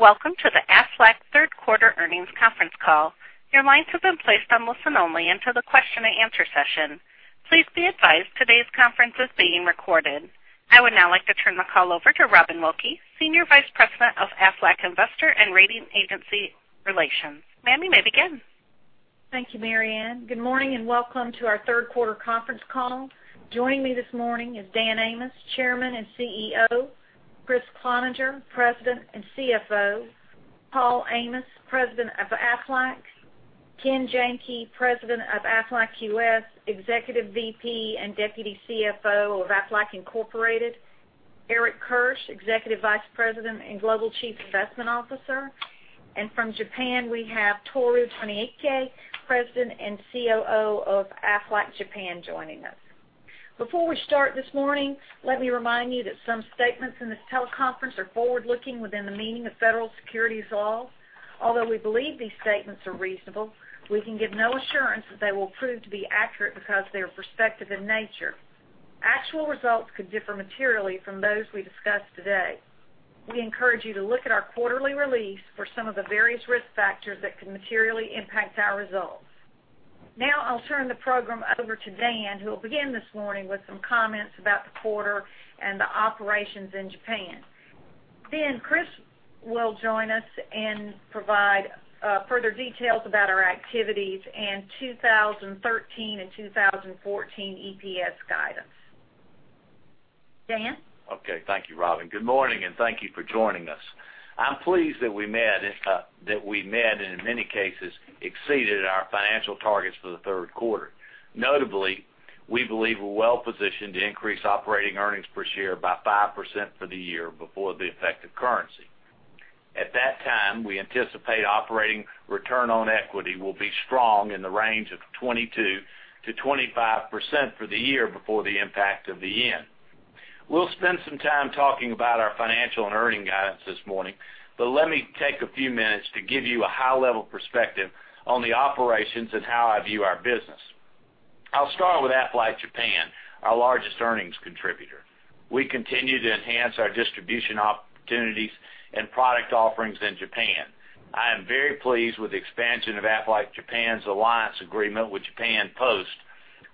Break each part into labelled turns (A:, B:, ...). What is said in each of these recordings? A: Welcome to the Aflac third quarter earnings conference call. Your lines have been placed on listen-only until the question and answer session. Please be advised today's conference is being recorded. I would now like to turn the call over to Robin Wilkey, Senior Vice President of Aflac Investor and Rating Agency Relations. Ma'am, you may begin.
B: Thank you, Mary Ann. Good morning, and welcome to our third quarter conference call. Joining me this morning is Dan Amos, Chairman and CEO, Kriss Cloninger, President and CFO, Paul Amos, President of Aflac, Kenneth Janke, President of Aflac U.S., Executive VP, and Deputy CFO of Aflac Incorporated, Eric Kirsch, Executive Vice President and Global Chief Investment Officer, and from Japan, we have Tohru Tonoike, President and COO of Aflac Japan, joining us. Before we start this morning, let me remind you that some statements in this teleconference are forward-looking within the meaning of federal securities law. Although we believe these statements are reasonable, we can give no assurance that they will prove to be accurate because they are prospective in nature. Actual results could differ materially from those we discuss today. We encourage you to look at our quarterly release for some of the various risk factors that could materially impact our results. I'll turn the program over to Dan, who will begin this morning with some comments about the quarter and the operations in Japan. Kriss will join us and provide further details about our activities and 2013 and 2014 EPS guidance. Dan?
C: Okay, thank you, Robin. Good morning, and thank you for joining us. I'm pleased that we met and in many cases exceeded our financial targets for the third quarter. Notably, we believe we're well positioned to increase operating earnings per share by 5% for the year before the effect of currency. At that time, we anticipate operating return on equity will be strong in the range of 22%-25% for the year before the impact of the yen. We'll spend some time talking about our financial and earning guidance this morning, let me take a few minutes to give you a high-level perspective on the operations and how I view our business. I'll start with Aflac Japan, our largest earnings contributor. We continue to enhance our distribution opportunities and product offerings in Japan. I am very pleased with the expansion of Aflac Japan's alliance agreement with Japan Post,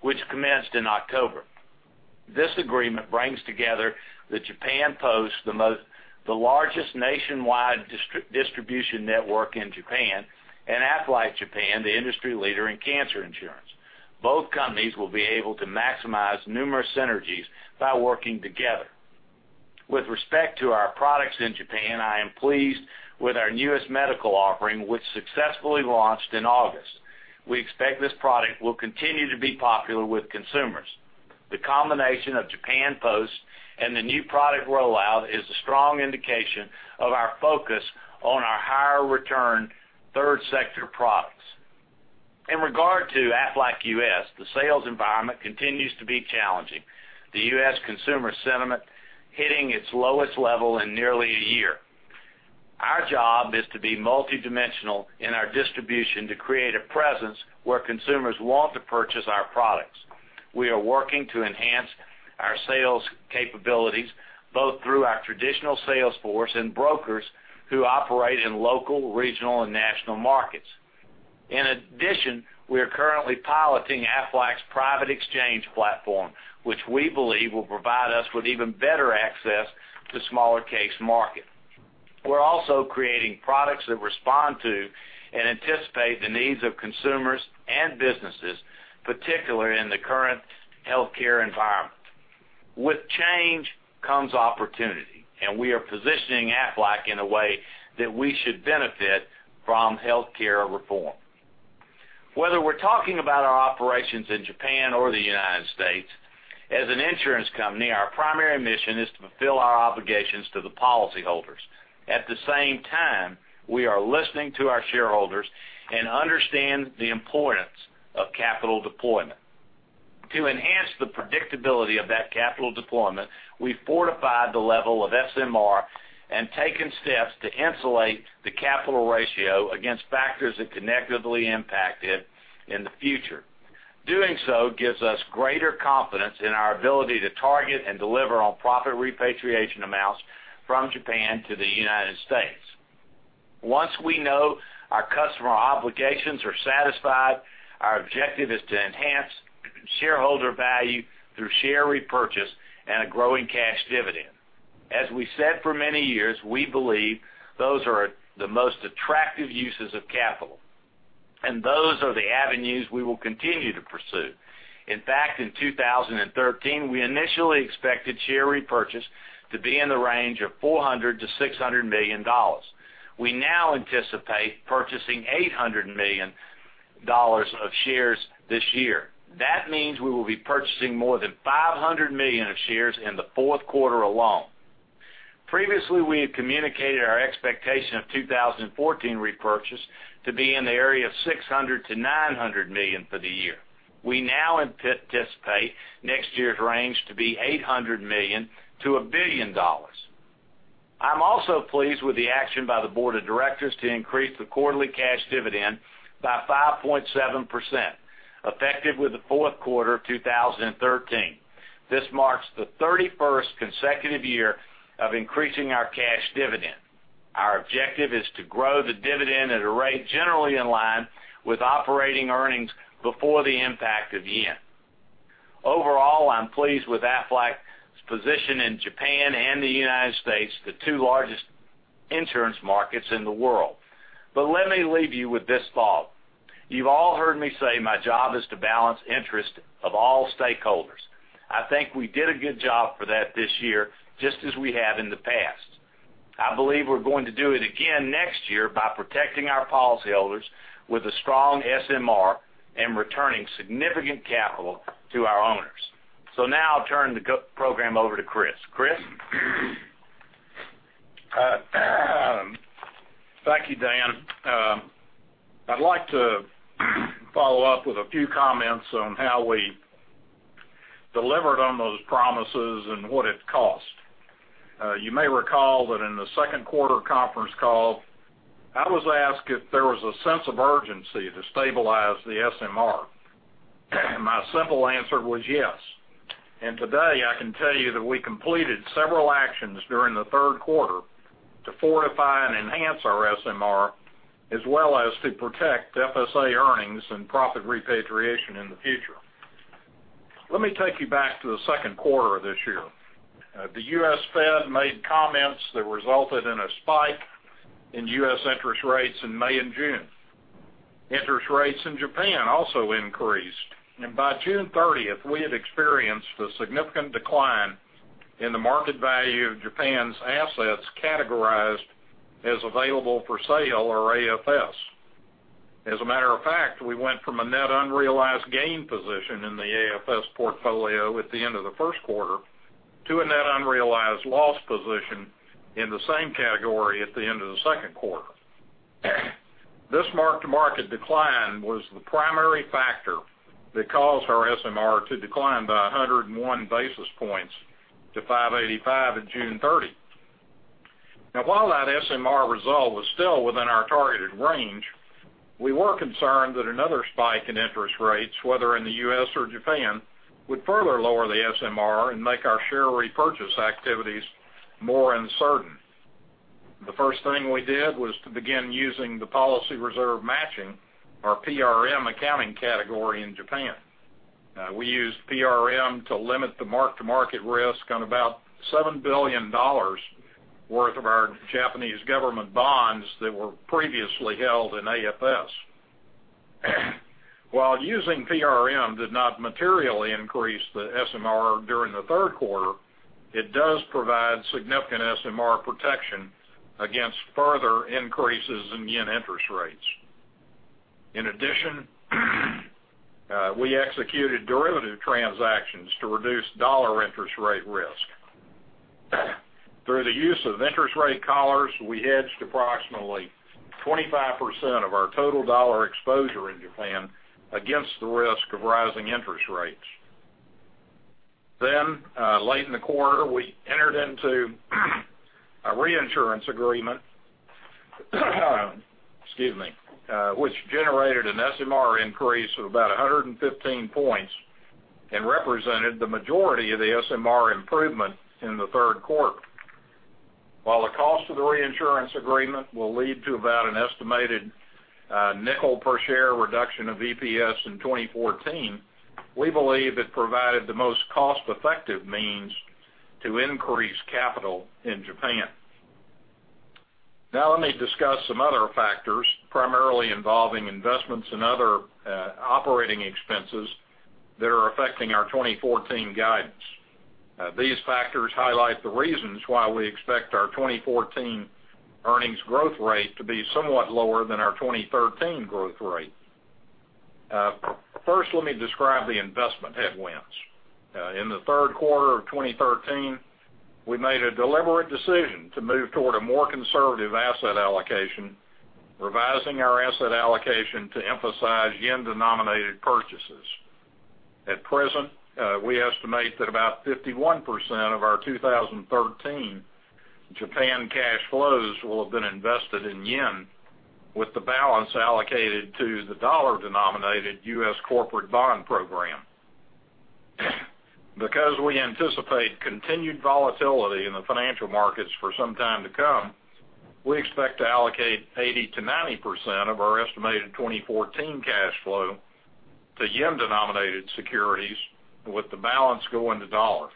C: which commenced in October. This agreement brings together Japan Post, the largest nationwide distribution network in Japan, and Aflac Japan, the industry leader in cancer insurance. Both companies will be able to maximize numerous synergies by working together. With respect to our products in Japan, I am pleased with our newest medical offering, which successfully launched in August. We expect this product will continue to be popular with consumers. The combination of Japan Post and the new product rollout is a strong indication of our focus on our higher return third sector products. In regard to Aflac U.S., the sales environment continues to be challenging, the U.S. consumer sentiment hitting its lowest level in nearly a year. Our job is to be multidimensional in our distribution to create a presence where consumers want to purchase our products. We are working to enhance our sales capabilities, both through our traditional sales force and brokers who operate in local, regional, and national markets. In addition, we are currently piloting Aflac's private exchange platform, which we believe will provide us with even better access to smaller case market. We're also creating products that respond to and anticipate the needs of consumers and businesses, particularly in the current healthcare environment. With change comes opportunity, we are positioning Aflac in a way that we should benefit from healthcare reform. Whether we're talking about our operations in Japan or the United States, as an insurance company, our primary mission is to fulfill our obligations to the policyholders. At the same time, we are listening to our shareholders and understand the importance of capital deployment. To enhance the predictability of that capital deployment, we fortified the level of SMR and taken steps to insulate the capital ratio against factors that can negatively impact it in the future. Doing so gives us greater confidence in our ability to target and deliver on profit repatriation amounts from Japan to the United States. Once we know our customer obligations are satisfied, our objective is to enhance shareholder value through share repurchase and a growing cash dividend. As we said for many years, we believe those are the most attractive uses of capital, those are the avenues we will continue to pursue. In fact, in 2013, we initially expected share repurchase to be in the range of $400 million-$600 million. We now anticipate purchasing $800 million of shares this year. That means we will be purchasing more than $500 million of shares in the fourth quarter alone. Previously, we had communicated our expectation of 2014 repurchase to be in the area of $600 million-$900 million for the year. We now anticipate next year's range to be $800 million-$1 billion. I'm also pleased with the action by the board of directors to increase the quarterly cash dividend by 5.7%, effective with the fourth quarter of 2013. This marks the 31st consecutive year of increasing our cash dividend. Our objective is to grow the dividend at a rate generally in line with operating earnings before the impact of yen. Overall, I'm pleased with Aflac's position in Japan and the United States, the two largest insurance markets in the world. Let me leave you with this thought. You've all heard me say my job is to balance interest of all stakeholders. I think we did a good job for that this year, just as we have in the past. I believe we're going to do it again next year by protecting our policyholders with a strong SMR and returning significant capital to our owners. Now I'll turn the program over to Kriss. Kriss?
D: Thank you, Dan. I'd like to follow up with a few comments on how we delivered on those promises and what it cost. You may recall that in the second quarter conference call, I was asked if there was a sense of urgency to stabilize the SMR. My simple answer was yes. Today, I can tell you that we completed several actions during the third quarter to fortify and enhance our SMR, as well as to protect FSA earnings and profit repatriation in the future. Let me take you back to the second quarter of this year. The U.S. Fed made comments that resulted in a spike in U.S. interest rates in May and June. Interest rates in Japan also increased, and by June 30th, we had experienced a significant decline in the market value of Japan's assets categorized as available for sale or AFS. As a matter of fact, we went from a net unrealized gain position in the AFS portfolio at the end of the first quarter to a net unrealized loss position in the same category at the end of the second quarter. This mark-to-market decline was the primary factor that caused our SMR to decline by 101 basis points to 585 at June 30. While that SMR result was still within our targeted range, we were concerned that another spike in interest rates, whether in the U.S. or Japan, would further lower the SMR and make our share repurchase activities more uncertain. The first thing we did was to begin using the policy reserve matching, or PRM accounting category in Japan. We used PRM to limit the mark-to-market risk on about $7 billion worth of our Japanese government bonds that were previously held in AFS. While using PRM did not materially increase the SMR during the third quarter, it does provide significant SMR protection against further increases in yen interest rates. In addition, we executed derivative transactions to reduce dollar interest rate risk. Through the use of interest rate collars, we hedged approximately 25% of our total dollar exposure in Japan against the risk of rising interest rates. Late in the quarter, we entered into a reinsurance agreement, which generated an SMR increase of about 115 points and represented the majority of the SMR improvement in the third quarter. While the cost of the reinsurance agreement will lead to about an estimated $0.05 per share reduction of EPS in 2014, we believe it provided the most cost-effective means to increase capital in Japan. Let me discuss some other factors, primarily involving investments and other operating expenses that are affecting our 2014 guidance. These factors highlight the reasons why we expect our 2014 earnings growth rate to be somewhat lower than our 2013 growth rate. First, let me describe the investment headwinds. In the third quarter of 2013, we made a deliberate decision to move toward a more conservative asset allocation, revising our asset allocation to emphasize yen-denominated purchases. At present, we estimate that about 51% of our 2013 Japan cash flows will have been invested in yen, with the balance allocated to the dollar-denominated U.S. corporate bond program. Because we anticipate continued volatility in the financial markets for some time to come, we expect to allocate 80%-90% of our estimated 2014 cash flow to yen-denominated securities, with the balance going to dollars.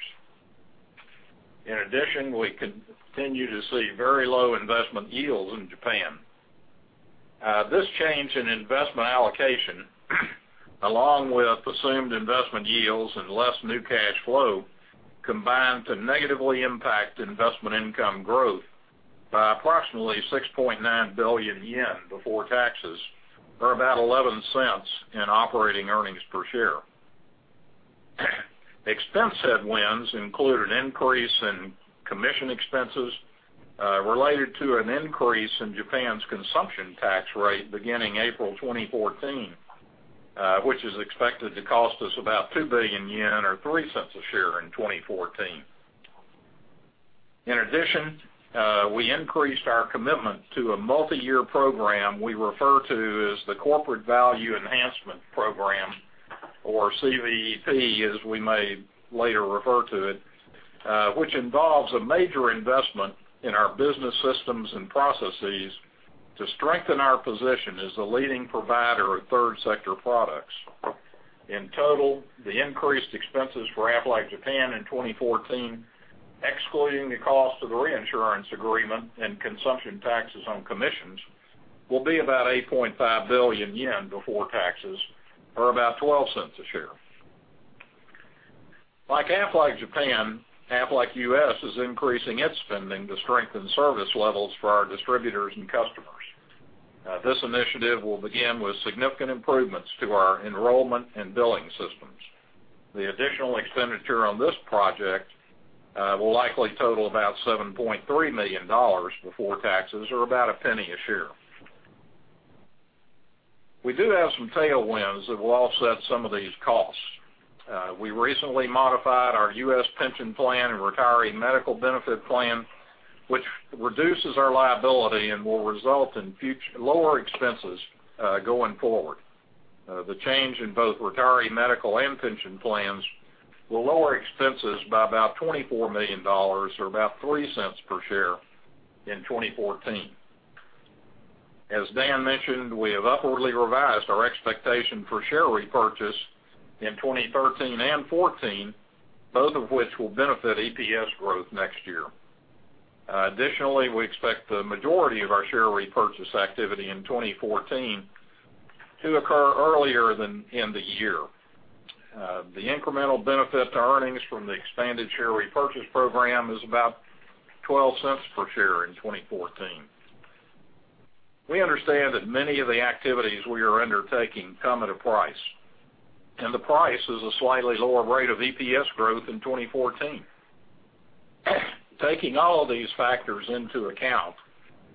D: In addition, we continue to see very low investment yields in Japan. This change in investment allocation, along with assumed investment yields and less new cash flow, combined to negatively impact investment income growth by approximately 6.9 billion yen before taxes, or about $0.11 in operating earnings per share. Expense headwinds include an increase in commission expenses related to an increase in Japan's consumption tax rate beginning April 2014, which is expected to cost us about 2 billion yen or $0.03 a share in 2014. In addition, we increased our commitment to a multi-year program we refer to as the Corporate Value Enhancement Program, or CVEP, as we may later refer to it, which involves a major investment in our business systems and processes to strengthen our position as the leading provider of third sector products. In total, the increased expenses for Aflac Japan in 2014, excluding the cost of the reinsurance agreement and consumption taxes on commissions, will be about 8.5 billion yen before taxes, or about $0.12 a share. Like Aflac Japan, Aflac U.S. is increasing its spending to strengthen service levels for our distributors and customers. This initiative will begin with significant improvements to our enrollment and billing systems. The additional expenditure on this project will likely total about $7.3 million before taxes or about $0.01 a share. We do have some tailwinds that will offset some of these costs. We recently modified our U.S. pension plan and retiree medical benefit plan, which reduces our liability and will result in lower expenses going forward. The change in both retiree medical and pension plans will lower expenses by about $24 million or about $0.03 per share in 2014. As Dan mentioned, we have upwardly revised our expectation for share repurchase in 2013 and 2014, both of which will benefit EPS growth next year. Additionally, we expect the majority of our share repurchase activity in 2014 to occur earlier than in the year. The incremental benefit to earnings from the expanded share repurchase program is about $0.12 per share in 2014. We understand that many of the activities we are undertaking come at a price, and the price is a slightly lower rate of EPS growth in 2014. Taking all these factors into account,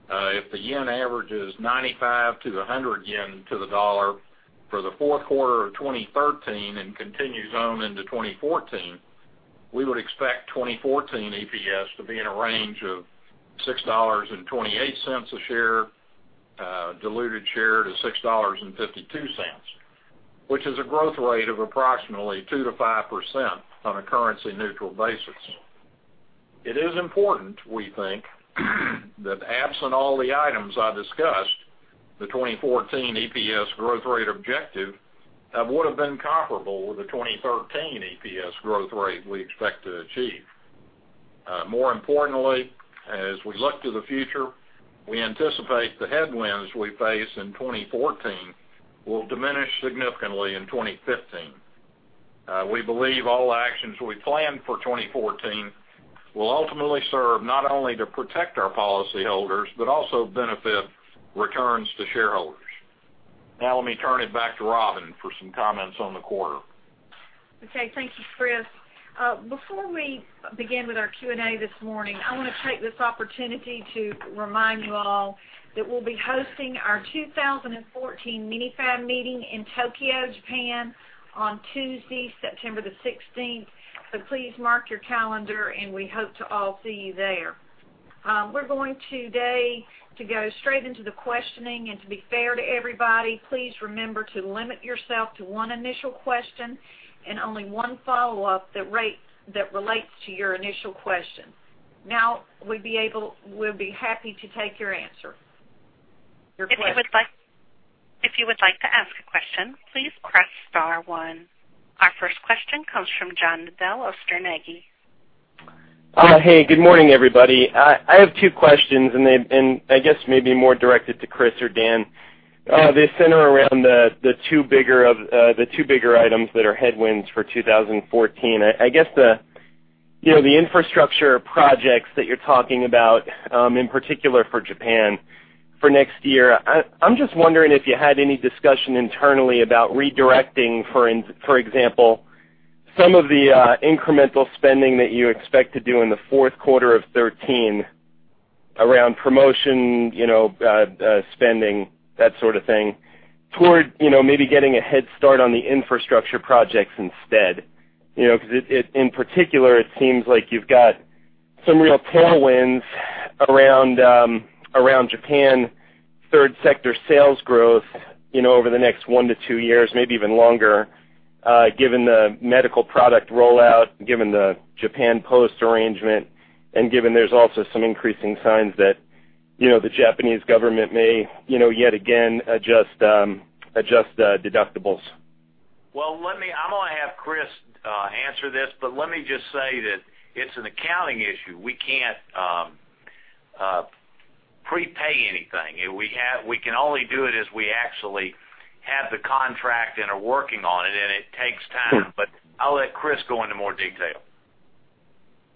D: if the yen averages 95 to 100 yen to the dollar for the fourth quarter of 2013 and continues on into 2014, we would expect 2014 EPS to be in a range of $6.28 a share, diluted share to $6.52, which is a growth rate of approximately 2%-5% on a currency-neutral basis. It is important, we think, that absent all the items I discussed, the 2014 EPS growth rate objective would have been comparable with the 2013 EPS growth rate we expect to achieve. More importantly, as we look to the future, we anticipate the headwinds we face in 2014 will diminish significantly in 2015. We believe all actions we plan for 2014 will ultimately serve not only to protect our policyholders, but also benefit returns to shareholders. Let me turn it back to Robyn for some comments on the quarter.
B: Okay. Thank you, Kriss. Before we begin with our Q&A this morning, I want to take this opportunity to remind you all that we'll be hosting our 2014 MiniFAB meeting in Tokyo, Japan on Tuesday, September the 16th. Please mark your calendar, and we hope to all see you there. We're going today to go straight into the questioning. To be fair to everybody, please remember to limit yourself to one initial question and only one follow-up that relates to your initial question. We'll be happy to take your question.
A: If you would like to ask a question, please press star one. Our first question comes from John Nadel, Sterne Agee.
E: Hey, good morning, everybody. I have two questions, and I guess maybe more directed to Kriss or Dan. They center around the two bigger items that are headwinds for 2014. I guess the infrastructure projects that you're talking about, in particular for Japan for next year. I'm just wondering if you had any discussion internally about redirecting, for example, some of the incremental spending that you expect to do in the fourth quarter of 2013 around promotion spending, that sort of thing, toward maybe getting a head start on the infrastructure projects instead. Because in particular, it seems like you've got some real tailwinds around Japan third sector sales growth over the next one to two years, maybe even longer given the medical product rollout, given the Japan Post arrangement, and given there's also some increasing signs that the Japanese government may yet again adjust the deductibles.
C: Well, I'm going to have Kriss answer this, but let me just say that it's an accounting issue. We can't prepay anything. We can only do it as we actually have the contract and are working on it, and it takes time. I'll let Kriss go into more detail.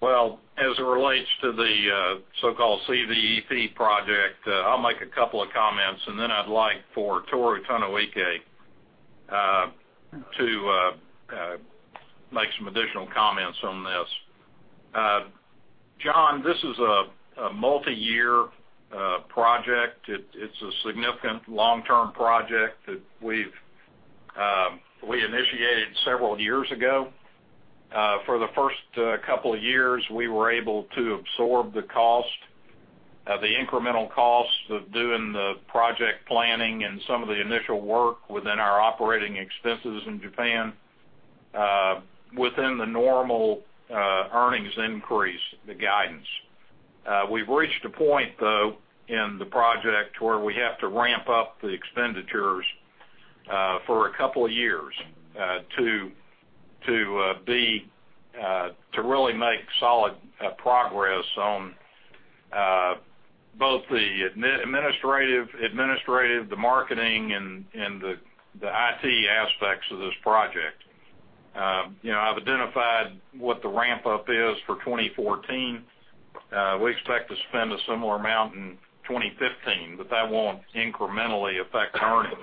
D: Well, as it relates to the so-called CVEP project, I'll make a couple of comments, and then I'd like for Tohru Tonoike to make some additional comments on this. John, this is a multi-year project. It's a significant long-term project that we initiated several years ago. For the first couple of years, we were able to absorb the incremental cost of doing the project planning and some of the initial work within our operating expenses in Japan within the normal earnings increase, the guidance. We've reached a point, though, in the project where we have to ramp up the expenditures for a couple of years to really make solid progress on both the administrative, the marketing, and the IT aspects of this project. I've identified what the ramp-up is for 2014. We expect to spend a similar amount in 2015, but that won't incrementally affect earnings.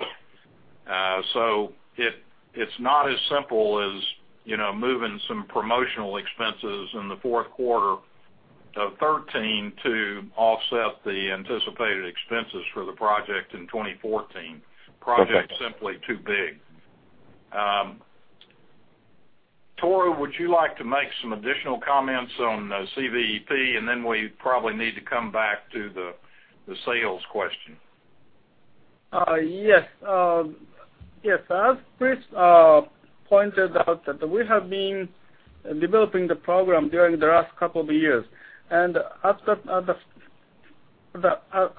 D: It's not as simple as moving some promotional expenses in the fourth quarter of 2013 to offset the anticipated expenses for the project in 2014. The project is simply too big. Tohru, would you like to make some additional comments on the CVEP? Then we probably need to come back to the sales question.
F: Yes. As Kriss pointed out, we have been developing the program during the last couple of years. At the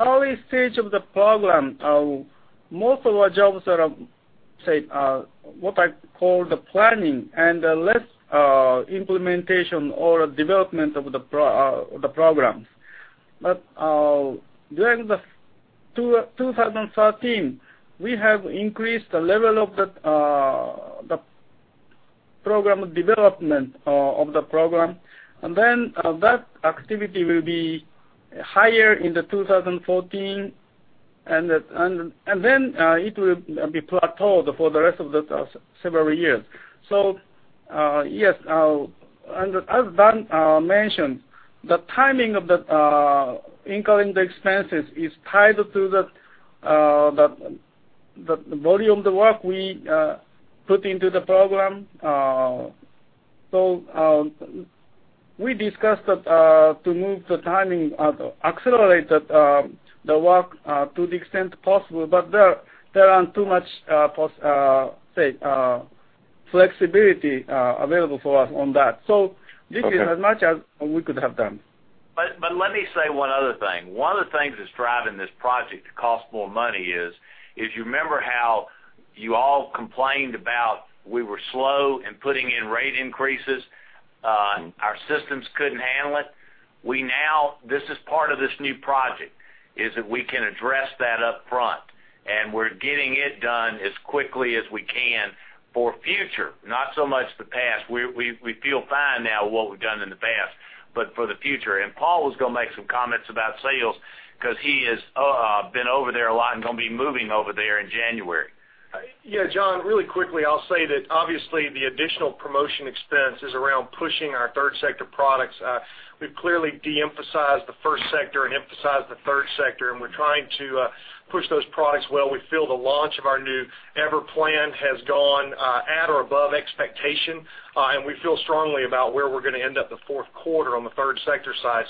F: early stage of the program, most of our jobs are, say, what I call the planning and less implementation or development of the programs. During 2013, we have increased the level of the development of the program, and then that activity will be higher in 2014, and then it will be plateaued for the rest of the several years. Yes, as Dan mentioned, the timing of incurring the expenses is tied to the volume of the work we put into the program. We discussed to move the timing, accelerate the work to the extent possible, but there aren't too much, say, flexibility available for us on that. This is as much as we could have done.
D: Let me say one other thing. One of the things that's driving this project to cost more money is, if you remember how you all complained about we were slow in putting in rate increases, our systems couldn't handle it. This is part of this new project, is that we can address that up front, and we're getting it done as quickly as we can for future, not so much the past. We feel fine now with what we've done in the past, but for the future. Paul was going to make some comments about sales because he has been over there a lot and going to be moving over there in January.
G: John, really quickly, I'll say that obviously, the additional promotion expense is around pushing our third sector products. We've clearly de-emphasized the first sector and emphasized the third sector, and we're trying to push those products well. We feel the launch of our new WAYS plan has gone at or above expectation, and we feel strongly about where we're going to end up the fourth quarter on the third sector side.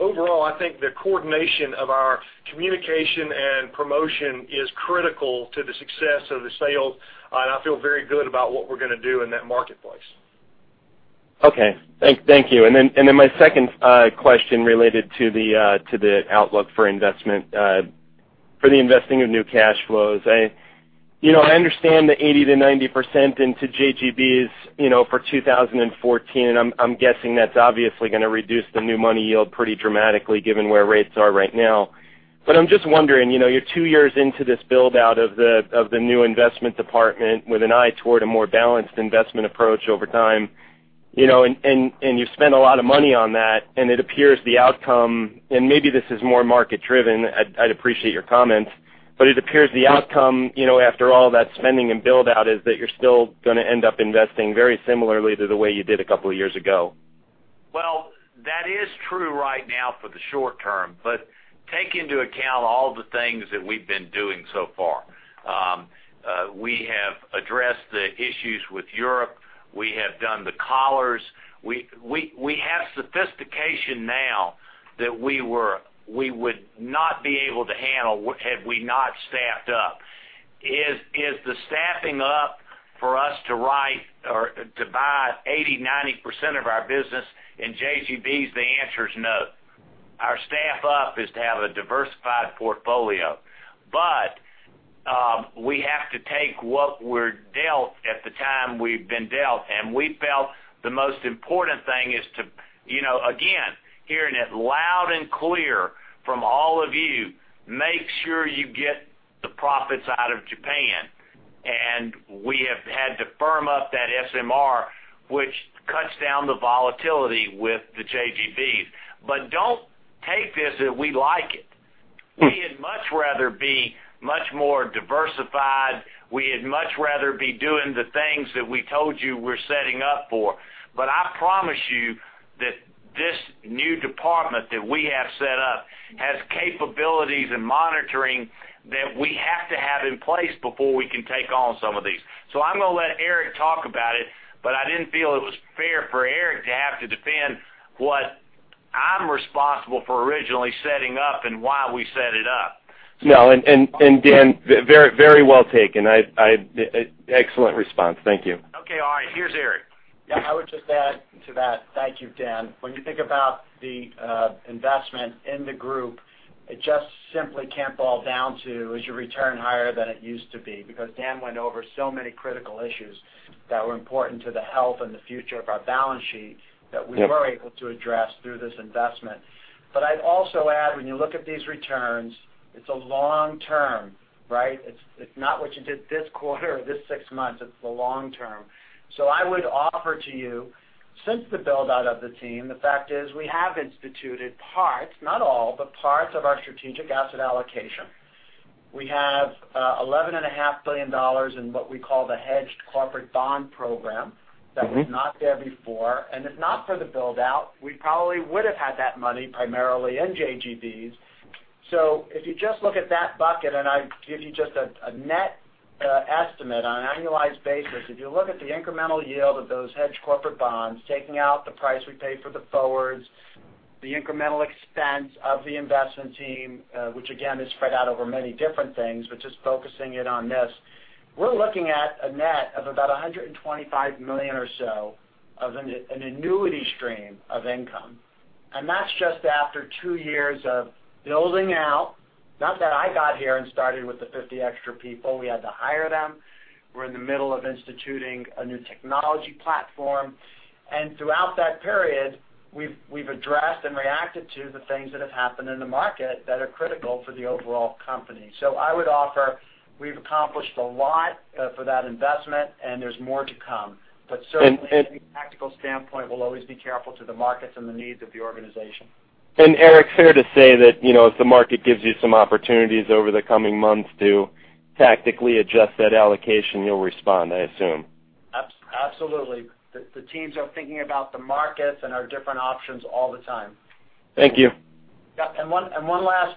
G: Overall, I think the coordination of our communication and promotion is critical to the success of the sale, and I feel very good about what we're going to do in that marketplace.
E: Okay. Thank you. Then my second question related to the outlook for investment for the investing of new cash flows. I understand the 80%-90% into JGBs for 2014, and I'm guessing that's obviously going to reduce the new money yield pretty dramatically given where rates are right now. I'm just wondering, you're two years into this build-out of the new investment department with an eye toward a more balanced investment approach over time. You've spent a lot of money on that, and it appears the outcome, and maybe this is more market-driven, I'd appreciate your comments, but it appears the outcome after all that spending and build-out is that you're still going to end up investing very similarly to the way you did a couple of years ago.
D: Well, that is true right now for the short term, but take into account all the things that we've been doing so far. We have addressed the issues with Europe. We have done the collars. We have sophistication now that we would not be able to handle had we not staffed up. Is the staffing up for us to write or to buy 80%, 90% of our business in JGBs? The answer is no. Our staff up is to have a diversified portfolio, but we have to take what we're dealt at the time we've been dealt, and we felt the most important thing is to, again, hearing it loud and clear from all of you, make sure you get the profits out of Japan. We have had to firm up that SMR, which cuts down the volatility with the JGBs. Don't take this that we like it. We would much rather be much more diversified. We would much rather be doing the things that we told you we're setting up for. I promise you that
C: This new department that we have set up has capabilities and monitoring that we have to have in place before we can take on some of these. I'm going to let Eric talk about it, but I didn't feel it was fair for Eric to have to defend what I'm responsible for originally setting up and why we set it up.
E: No, Dan, very well taken. Excellent response. Thank you.
C: Okay. All right. Here's Eric.
H: Yeah, I would just add to that. Thank you, Dan. When you think about the investment in the group, it just simply can't boil down to, is your return higher than it used to be? Dan went over so many critical issues that were important to the health and the future of our balance sheet, that we were able to address through this investment. I'd also add, when you look at these returns, it's a long term, right? It's not what you did this quarter or this six months, it's the long term. I would offer to you, since the build-out of the team, the fact is we have instituted parts, not all, but parts of our strategic asset allocation. We have $11.5 billion in what we call the hedged corporate bond program that was not there before. If not for the build-out, we probably would have had that money primarily in JGBs. If you just look at that bucket, and I give you just a net estimate on an annualized basis, if you look at the incremental yield of those hedged corporate bonds, taking out the price we paid for the forwards, the incremental expense of the investment team, which again is spread out over many different things, but just focusing in on this. We're looking at a net of about $125 million or so of an annuity stream of income. That's just after two years of building out. Not that I got here and started with the 50 extra people. We had to hire them. We're in the middle of instituting a new technology platform. Throughout that period, we've addressed and reacted to the things that have happened in the market that are critical for the overall company. I would offer, we've accomplished a lot for that investment, and there's more to come. Certainly, from a tactical standpoint, we'll always be careful to the markets and the needs of the organization.
E: Eric, fair to say that, if the market gives you some opportunities over the coming months to tactically adjust that allocation, you'll respond, I assume?
H: Absolutely. The teams are thinking about the markets and our different options all the time.
E: Thank you.
H: Yeah. One last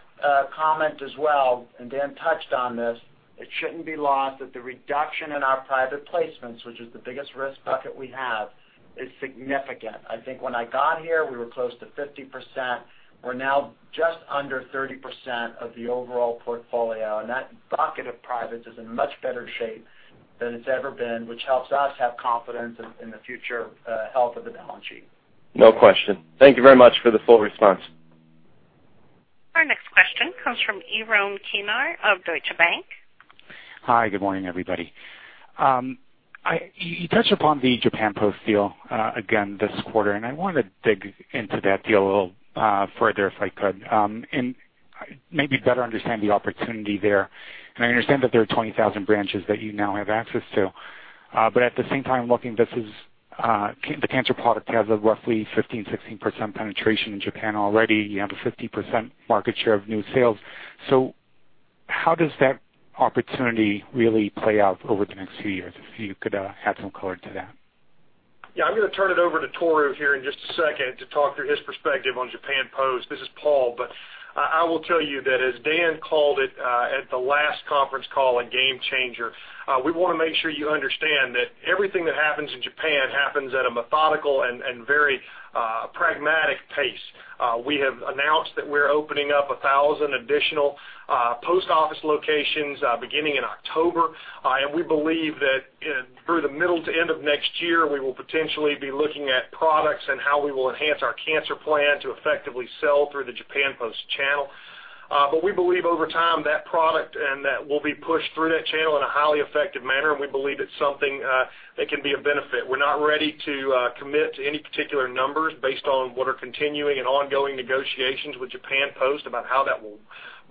H: comment as well, Dan touched on this. It shouldn't be lost that the reduction in our private placements, which is the biggest risk bucket we have, is significant. I think when I got here, we were close to 50%. We're now just under 30% of the overall portfolio, and that bucket of privates is in much better shape than it's ever been, which helps us have confidence in the future health of the balance sheet.
E: No question. Thank you very much for the full response.
A: Our next question comes from Yaron Kinar of Deutsche Bank.
I: Hi, good morning, everybody. I want to dig into that deal a little further if I could. Maybe better understand the opportunity there. I understand that there are 20,000 branches that you now have access to. At the same time, looking, the cancer product has a roughly 15%-16% penetration in Japan already. You have a 50% market share of new sales. How does that opportunity really play out over the next few years? If you could add some color to that.
G: Yeah. I'm going to turn it over to Tohru here in just a second to talk through his perspective on Japan Post. This is Paul. I will tell you that as Dan called it at the last conference call, a game changer. We want to make sure you understand that everything that happens in Japan happens at a methodical and very pragmatic pace. We have announced that we're opening up 1,000 additional post office locations beginning in October. We believe that through the middle to end of next year, we will potentially be looking at products and how we will enhance our cancer plan to effectively sell through the Japan Post channel. We believe over time, that product and that will be pushed through that channel in a highly effective manner, and we believe it's something that can be of benefit. We're not ready to commit to any particular numbers based on what are continuing and ongoing negotiations with Japan Post about how that will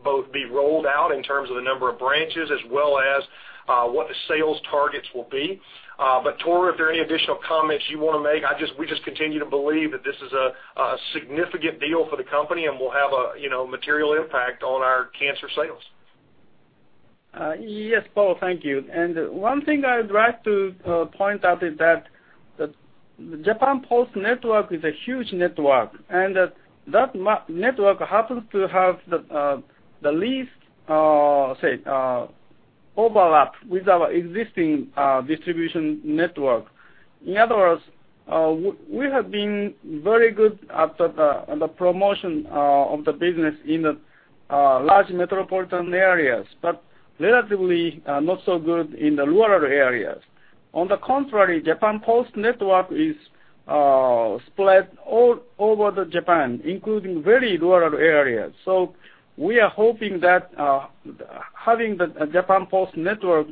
G: both be rolled out in terms of the number of branches as well as what the sales targets will be. Tohru, if there are any additional comments you want to make, we just continue to believe that this is a significant deal for the company and will have a material impact on our cancer sales.
F: Yes, Paul. Thank you. One thing I would like to point out is that the Japan Post network is a huge network, and that network happens to have the least overlap with our existing distribution network. In other words, we have been very good at the promotion of the business in the large metropolitan areas, but relatively not so good in the rural areas. On the contrary, Japan Post network is spread all over Japan, including very rural areas. We are hoping that having the Japan Post network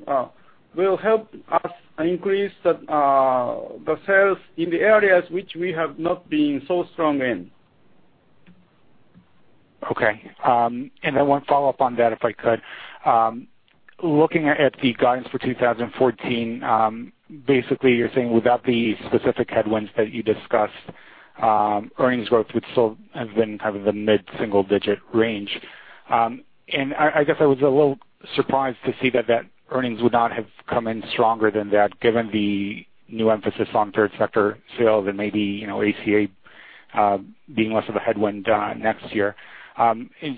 F: will help us increase the sales in the areas which we have not been so strong in.
I: one follow-up on that, if I could. Looking at the guidance for 2014, basically, you're saying without the specific headwinds that you discussed, earnings growth would still have been kind of the mid-single-digit range. I guess I was a little surprised to see that earnings would not have come in stronger than that, given the new emphasis on third sector sales and maybe ACA being less of a headwind next year.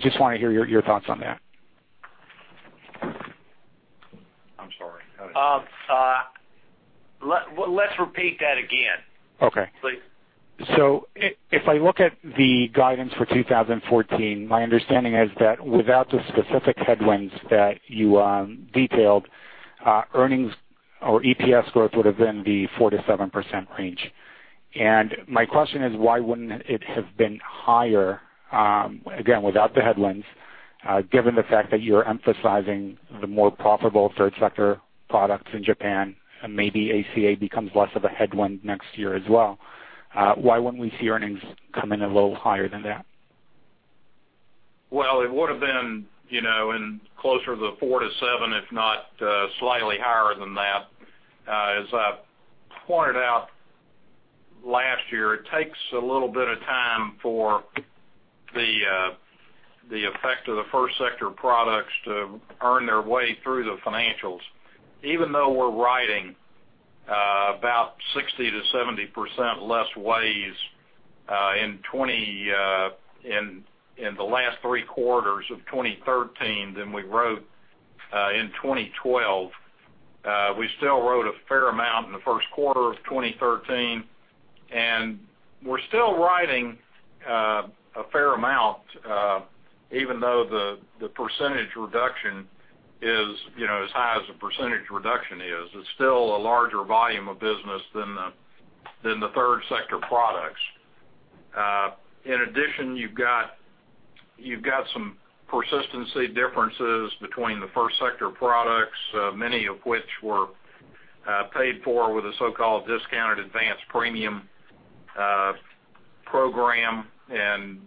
I: Just want to hear your thoughts on that.
D: I'm sorry.
C: Let's repeat that again.
I: Okay.
C: Please.
I: If I look at the guidance for 2014, my understanding is that without the specific headwinds that you detailed, earnings or EPS growth would have been the 4%-7% range. My question is, why wouldn't it have been higher, again, without the headwinds, given the fact that you're emphasizing the more profitable third sector products in Japan and maybe ACA becomes less of a headwind next year as well. Why wouldn't we see earnings come in a little higher than that?
D: It would have been in closer to the 4%-7%, if not slightly higher than that. As I pointed out last year, it takes a little bit of time for the effect of the first sector products to earn their way through the financials. Even though we're writing about 60%-70% less WAYS in the last 3 quarters of 2013 than we wrote in 2012, we still wrote a fair amount in the 1st quarter of 2013, and we're still writing a fair amount. Even though the percentage reduction is as high as the percentage reduction is, it's still a larger volume of business than the third sector products. In addition, you've got some persistency differences between the first sector products, many of which were paid for with a so-called discounted advanced premium program.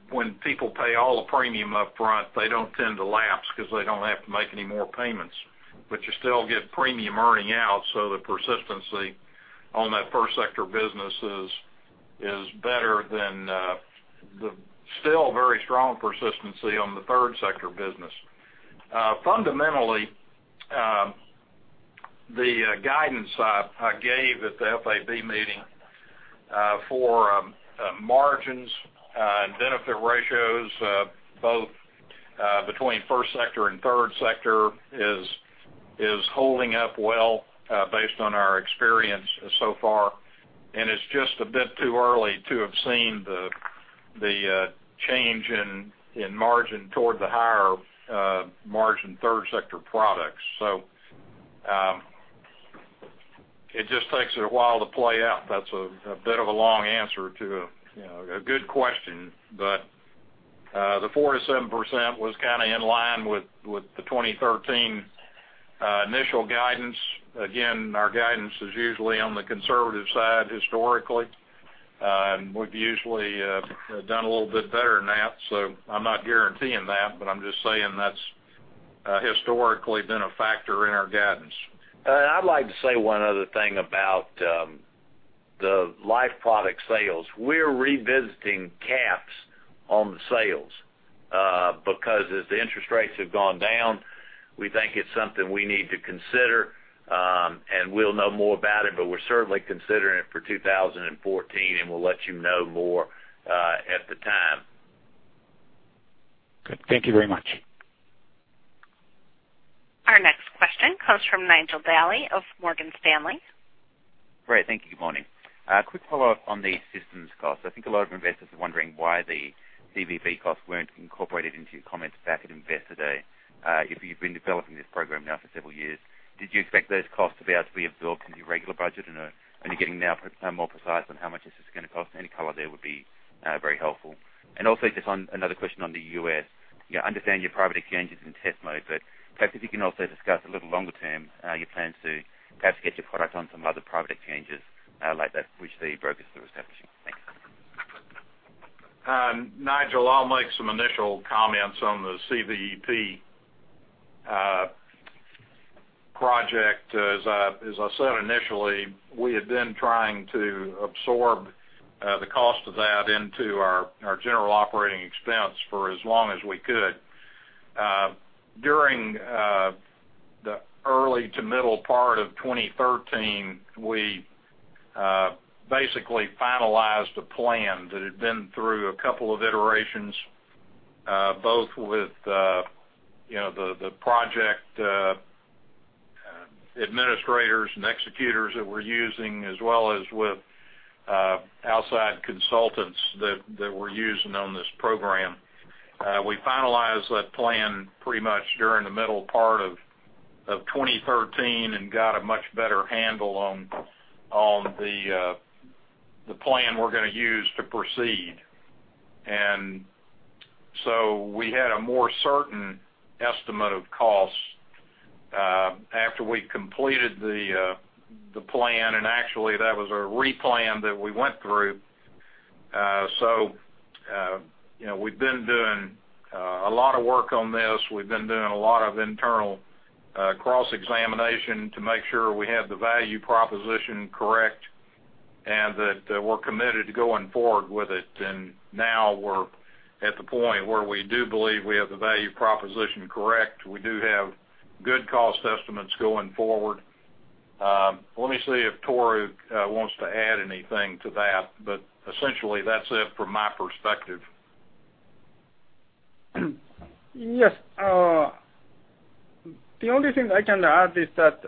D: When people pay all the premium up front, they don't tend to lapse because they don't have to make any more payments. You still get premium earning out, so the persistency on that first sector business is better than the still very strong persistency on the third sector business. Fundamentally, the guidance I gave at the FAB meeting for margins and benefit ratios both between first sector and third sector is holding up well based on our experience so far, it's just a bit too early to have seen the change in margin toward the higher margin third sector products. It just takes a while to play out. That's a bit of a long answer to a good question, but the 4%-7% was kind of in line with the 2013 initial guidance. Again, our guidance is usually on the conservative side historically, we've usually done a little bit better than that. I'm not guaranteeing that, I'm just saying that's historically been a factor in our guidance.
C: I'd like to say one other thing about the life product sales. We're revisiting caps on the sales because as the interest rates have gone down, we think it's something we need to consider, we'll know more about it, we're certainly considering it for 2014, we'll let you know more at the time.
I: Good. Thank you very much.
A: Our next question comes from Nigel Daly of Morgan Stanley.
J: Great. Thank you. Good morning. A quick follow-up on the systems cost. I think a lot of investors are wondering why the CVEP costs weren't incorporated into your comments back at Investor Day. If you've been developing this program now for several years, did you expect those costs to be able to be absorbed into your regular budget? Are you getting now perhaps more precise on how much this is going to cost? Any color there would be very helpful. Also just another question on the U.S. I understand your private exchange is in test mode, but perhaps if you can also discuss a little longer term your plans to perhaps get your product on some other private exchanges like that which the brokers are establishing. Thanks.
D: Nigel, I'll make some initial comments on the CVEP project. As I said initially, we had been trying to absorb the cost of that into our general operating expense for as long as we could. During the early to middle part of 2013, we basically finalized a plan that had been through a couple of iterations both with the project administrators and executors that we're using as well as with outside consultants that we're using on this program. We finalized that plan pretty much during the middle part of 2013 and got a much better handle on the plan we're going to use to proceed. We had a more certain estimate of costs after we completed the plan, and actually that was a re-plan that we went through. We've been doing a lot of work on this. We've been doing a lot of internal cross-examination to make sure we have the value proposition correct that we're committed to going forward with it. Now we're at the point where we do believe we have the value proposition correct. We do have good cost estimates going forward. Let me see if Tohru wants to add anything to that, essentially, that's it from my perspective.
F: Yes. The only thing I can add is that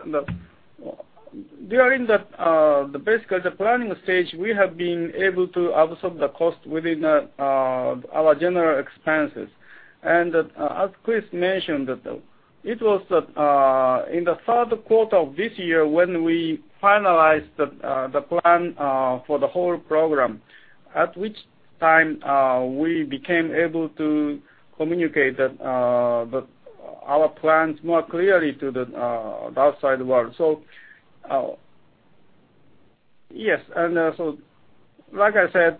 F: during the, basically, the planning stage, we have been able to absorb the cost within our general expenses. As Kriss mentioned, it was in Q3 2013 when we finalized the plan for the whole program, at which time we became able to communicate our plans more clearly to the outside world. Yes. Like I said,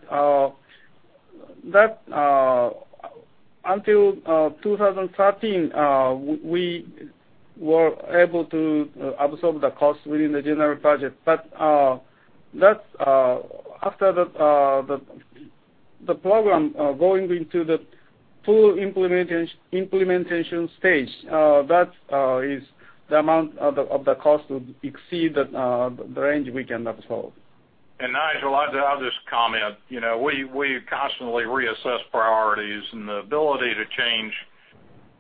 F: until 2013, we were able to absorb the cost within the general budget. After the program going into the full implementation stage, that is the amount of the cost exceed the range we can absorb.
D: Nigel, I'll just comment. We constantly reassess priorities, and the ability to change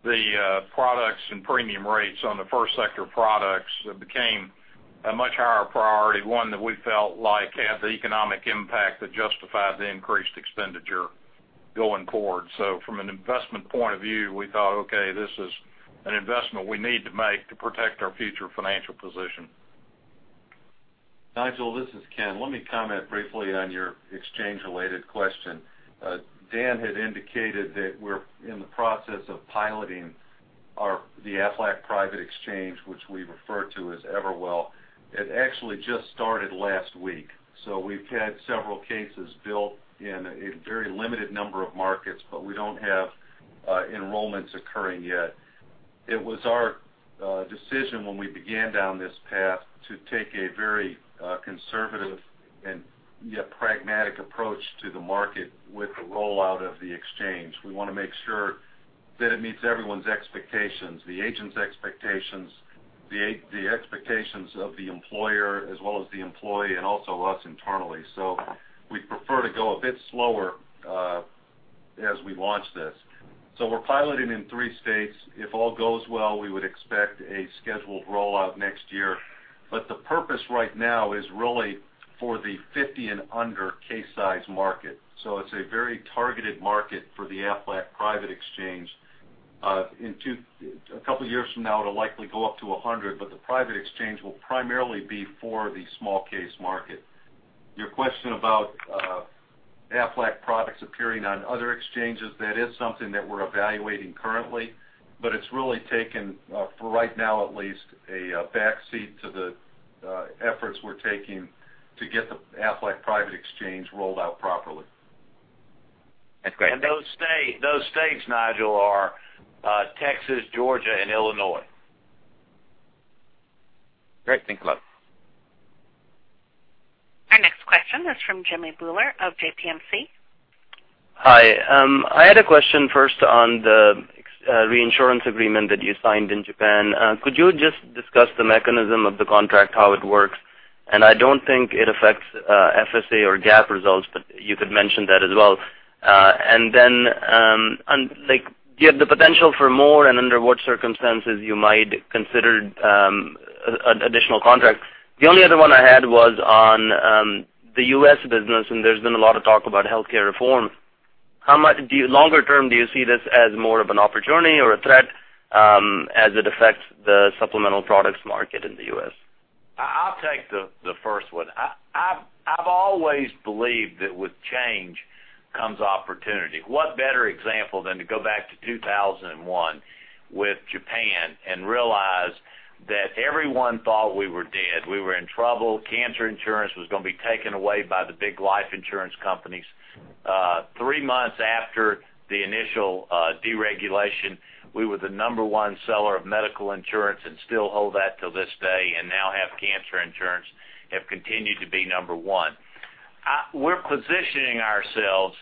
D: the products and premium rates on the first sector products became a much higher priority, one that we felt like had the economic impact that justified the increased expenditure going forward. From an investment point of view, we thought, okay, this is an investment we need to make to protect our future financial position.
K: Nigel, this is Ken. Let me comment briefly on your exchange-related question. Dan had indicated that we're in the process of piloting the Aflac private exchange, which we refer to as Everwell. It actually just started last week, so we've had several cases built in a very limited number of markets, but we don't have enrollments occurring yet. It was our decision when we began down this path to take a very conservative and yet pragmatic approach to the market with the rollout of the exchange. We want to make sure that it meets everyone's expectations, the agent's expectations, the expectations of the employer as well as the employee, and also us internally. We prefer to go a bit slower as we launch this. We're piloting in three states. If all goes well, we would expect a scheduled rollout next year. The purpose right now is really for the 50 and under case size market. It's a very targeted market for the Aflac private exchange. A couple of years from now, it'll likely go up to 100, but the private exchange will primarily be for the small case market. Your question about Aflac products appearing on other exchanges, that is something that we're evaluating currently. It's really taken, for right now at least, a back seat to the efforts we're taking to get the Aflac private exchange rolled out properly.
J: That's great.
K: Those states, Nigel, are Texas, Georgia, and Illinois.
J: Great. Thanks a lot.
A: Our next question is from Jimmy Bhullar of J.P. Morgan.
L: Hi. I had a question first on the reinsurance agreement that you signed in Japan. Could you just discuss the mechanism of the contract, how it works? I don't think it affects FSA or GAAP results, but you could mention that as well. Then, do you have the potential for more and under what circumstances you might consider additional contracts? The only other one I had was on the U.S. business, and there's been a lot of talk about healthcare reform. Longer term, do you see this as more of an opportunity or a threat as it affects the supplemental products market in the U.S.?
C: I'll take the first one. I've always believed that with change comes opportunity. What better example than to go back to 2001 with Japan and realize that everyone thought we were dead. We were in trouble. Cancer insurance was going to be taken away by the big life insurance companies. Three months after the initial deregulation, we were the number one seller of medical insurance and still hold that till this day and now have cancer insurance, have continued to be number one. We're positioning ourselves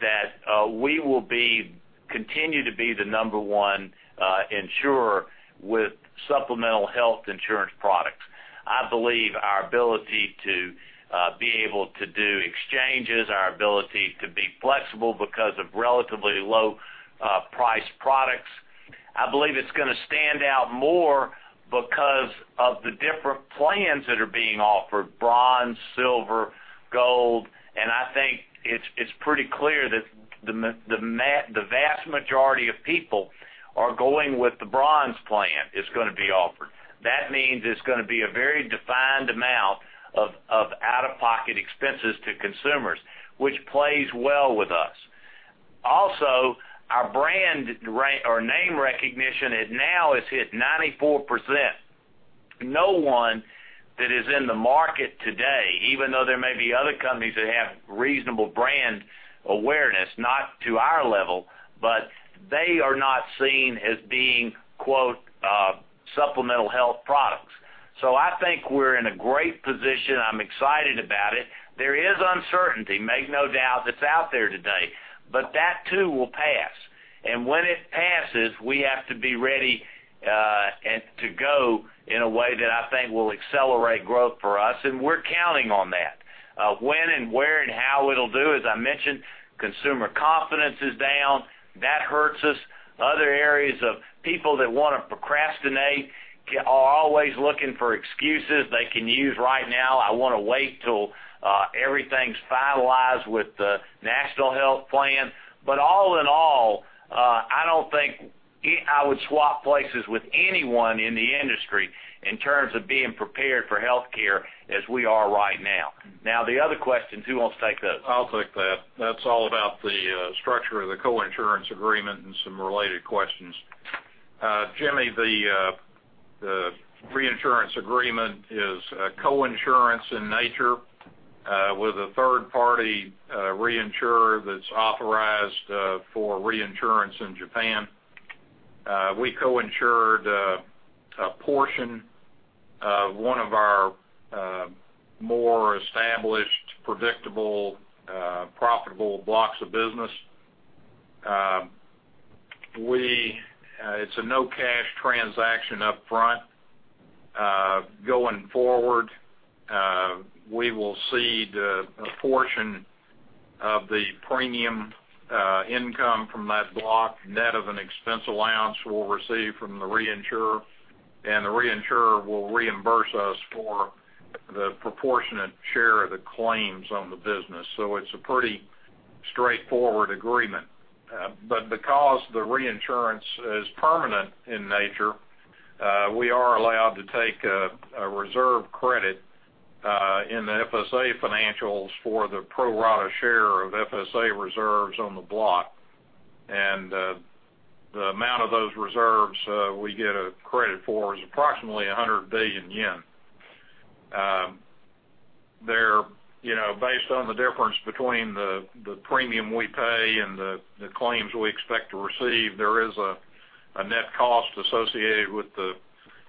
C: that we will continue to be the number one insurer with supplemental health insurance products. I believe our ability to be able to do exchanges, our ability to be flexible because of relatively low-priced products, I believe it's going to stand out more because of the different plans that are being offered, bronze, silver, gold, and I think it's pretty clear that the vast majority of people are going with the bronze plan that's going to be offered. That means it's going to be a very defined amount of out-of-pocket expenses to consumers, which plays well with us. Also, our brand or name recognition now has hit 94%. No one that is in the market today, even though there may be other companies that have reasonable brand awareness, not to our level, but they are not seen as being supplemental health products. I think we're in a great position. I'm excited about it. There is uncertainty, make no doubt, that's out there today. That too will pass. When it passes, we have to be ready to go in a way that I think will accelerate growth for us, and we're counting on that. When and where and how it'll do, as I mentioned, consumer confidence is down. That hurts us. Other areas of people that want to procrastinate are always looking for excuses they can use right now. I want to wait till everything's finalized with the National Health Plan. All in all, I don't think I would swap places with anyone in the industry in terms of being prepared for healthcare as we are right now. Now, the other questions, who wants to take those?
D: I'll take that. That's all about the structure of the coinsurance agreement and some related questions. Jimmy, the reinsurance agreement is a coinsurance in nature with a third party reinsurer that's authorized for reinsurance in Japan. We co-insured a portion of one of our more established, predictable, profitable blocks of business. It's a no-cash transaction up front. Going forward, we will cede a portion of the premium income from that block, net of an expense allowance we'll receive from the reinsurer, and the reinsurer will reimburse us for the proportionate share of the claims on the business. It's a pretty straightforward agreement. Because the reinsurance is permanent in nature, we are allowed to take a reserve credit in the FSA financials for the pro rata share of FSA reserves on the block. The amount of those reserves we get a credit for is approximately 100 billion yen. Based on the difference between the premium we pay and the claims we expect to receive, there is a net cost associated with the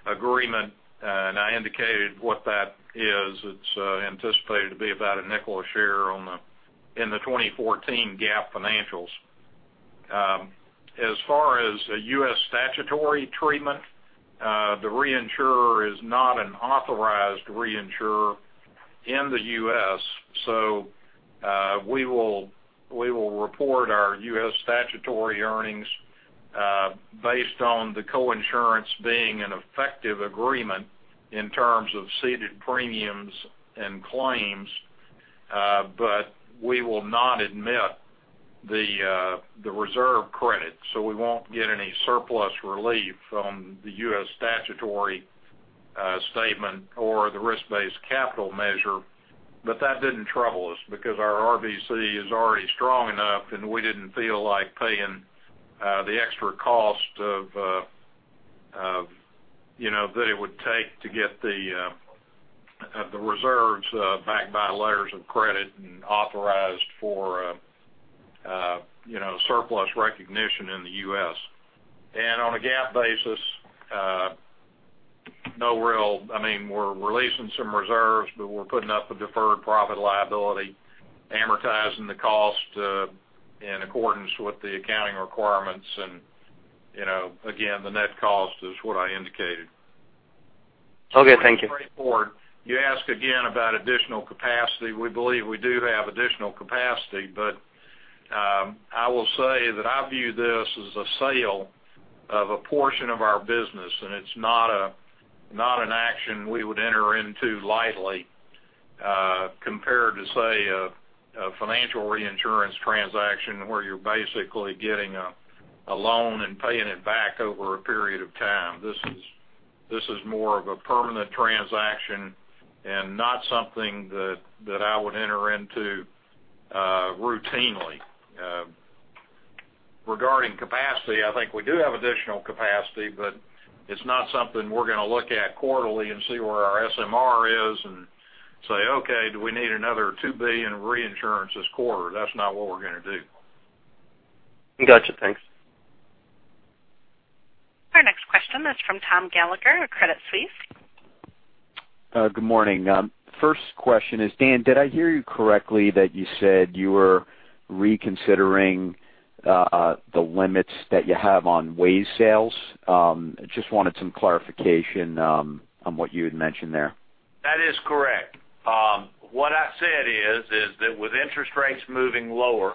D: agreement, and I indicated what that is. It's anticipated to be about $0.05 a share in the 2014 GAAP financials. As far as a U.S. statutory treatment, the reinsurer is not an authorized reinsurer in the U.S., we will report our U.S. statutory earnings based on the coinsurance being an effective agreement in terms of ceded premiums and claims, but we will not admit the reserve credit. We won't get any surplus relief on the U.S. statutory statement or the risk-based capital measure. That didn't trouble us because our RBC is already strong enough, and we didn't feel like paying the extra cost that it would take to get the reserves backed by letters of credit and authorized for surplus recognition in the U.S. On a GAAP basis, we're releasing some reserves, but we're putting up a deferred profit liability, amortizing the cost in accordance with the accounting requirements. Again, the net cost is what I indicated.
L: Okay, thank you.
D: Going straightforward, you ask again about additional capacity. We believe we do have additional capacity, I will say that I view this as a sale of a portion of our business, it's not an action we would enter into lightly compared to, say, a financial reinsurance transaction where you're basically getting a loan and paying it back over a period of time. This is more of a permanent transaction and not something that I would enter into routinely. Regarding capacity, I think we do have additional capacity, it's not something we're going to look at quarterly and see where our SMR is and say, okay, do we need another $2 billion in reinsurance this quarter? That's not what we're going to do.
L: Got you. Thanks.
A: Our next question is from Thomas Gallagher at Credit Suisse.
M: Good morning. First question is, Dan, did I hear you correctly that you said you were reconsidering the limits that you have on WAYS sales? Just wanted some clarification on what you had mentioned there.
C: That is correct. What I said is that with interest rates moving lower,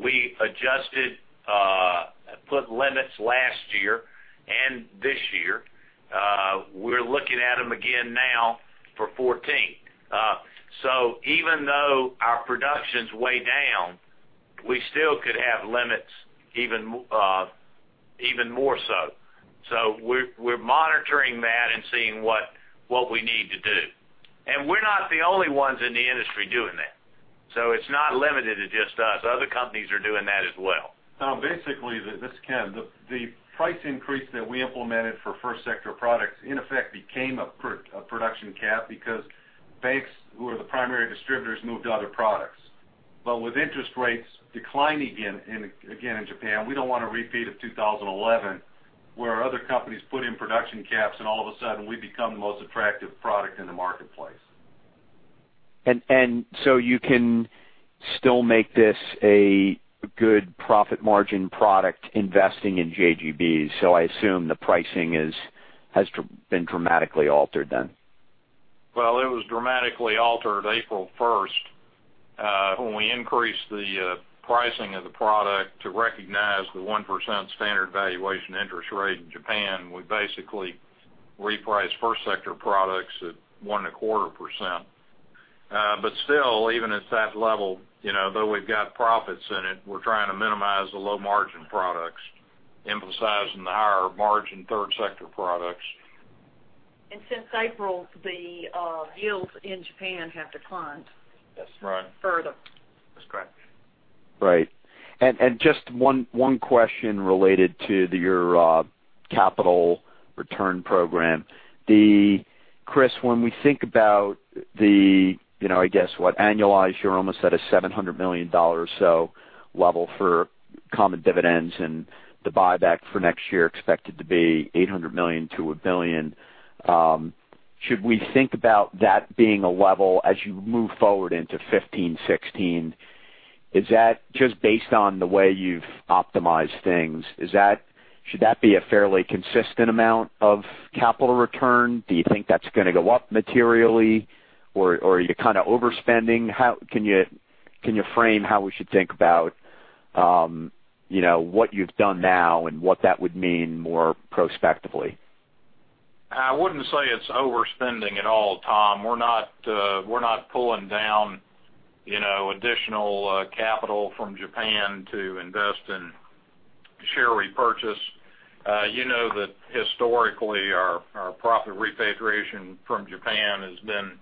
C: we adjusted, put limits last year and this year. We're looking at them again now for 2014. Even though our production's way down, we still could have limits even more so. We're monitoring that and seeing what we need to do. We're not the only ones in the industry doing that. It's not limited to just us. Other companies are doing that as well.
K: Tom, basically, this is Ken, the price increase that we implemented for first sector products in effect became a production cap because banks who are the primary distributors moved to other products. With interest rates declining again in Japan, we don't want a repeat of 2011, where other companies put in production caps, and all of a sudden, we become the most attractive product in the marketplace.
M: You can still make this a good profit margin product investing in JGBs. I assume the pricing has been dramatically altered then.
D: It was dramatically altered April 1, when we increased the pricing of the product to recognize the 1% standard valuation interest rate in Japan. We basically repriced first sector products at 1.25%. Still, even at that level, though we've got profits in it, we're trying to minimize the low margin products, emphasizing the higher margin third sector products.
B: Since April, the yields in Japan have declined.
D: That's right.
B: further.
D: That's correct.
M: Right. Just one question related to your capital return program. Kriss, when we think about the annualized, you're almost at a $700 million or so level for common dividends, and the buyback for next year expected to be $800 million to $1 billion. Should we think about that being a level as you move forward into 2015, 2016? Is that just based on the way you've optimized things? Should that be a fairly consistent amount of capital return? Do you think that's going to go up materially, or are you kind of overspending? Can you frame how we should think about what you've done now and what that would mean more prospectively?
D: I wouldn't say it's overspending at all, Tom. We're not pulling down additional capital from Japan to invest in share repurchase. You know that historically, our profit repatriation from Japan has been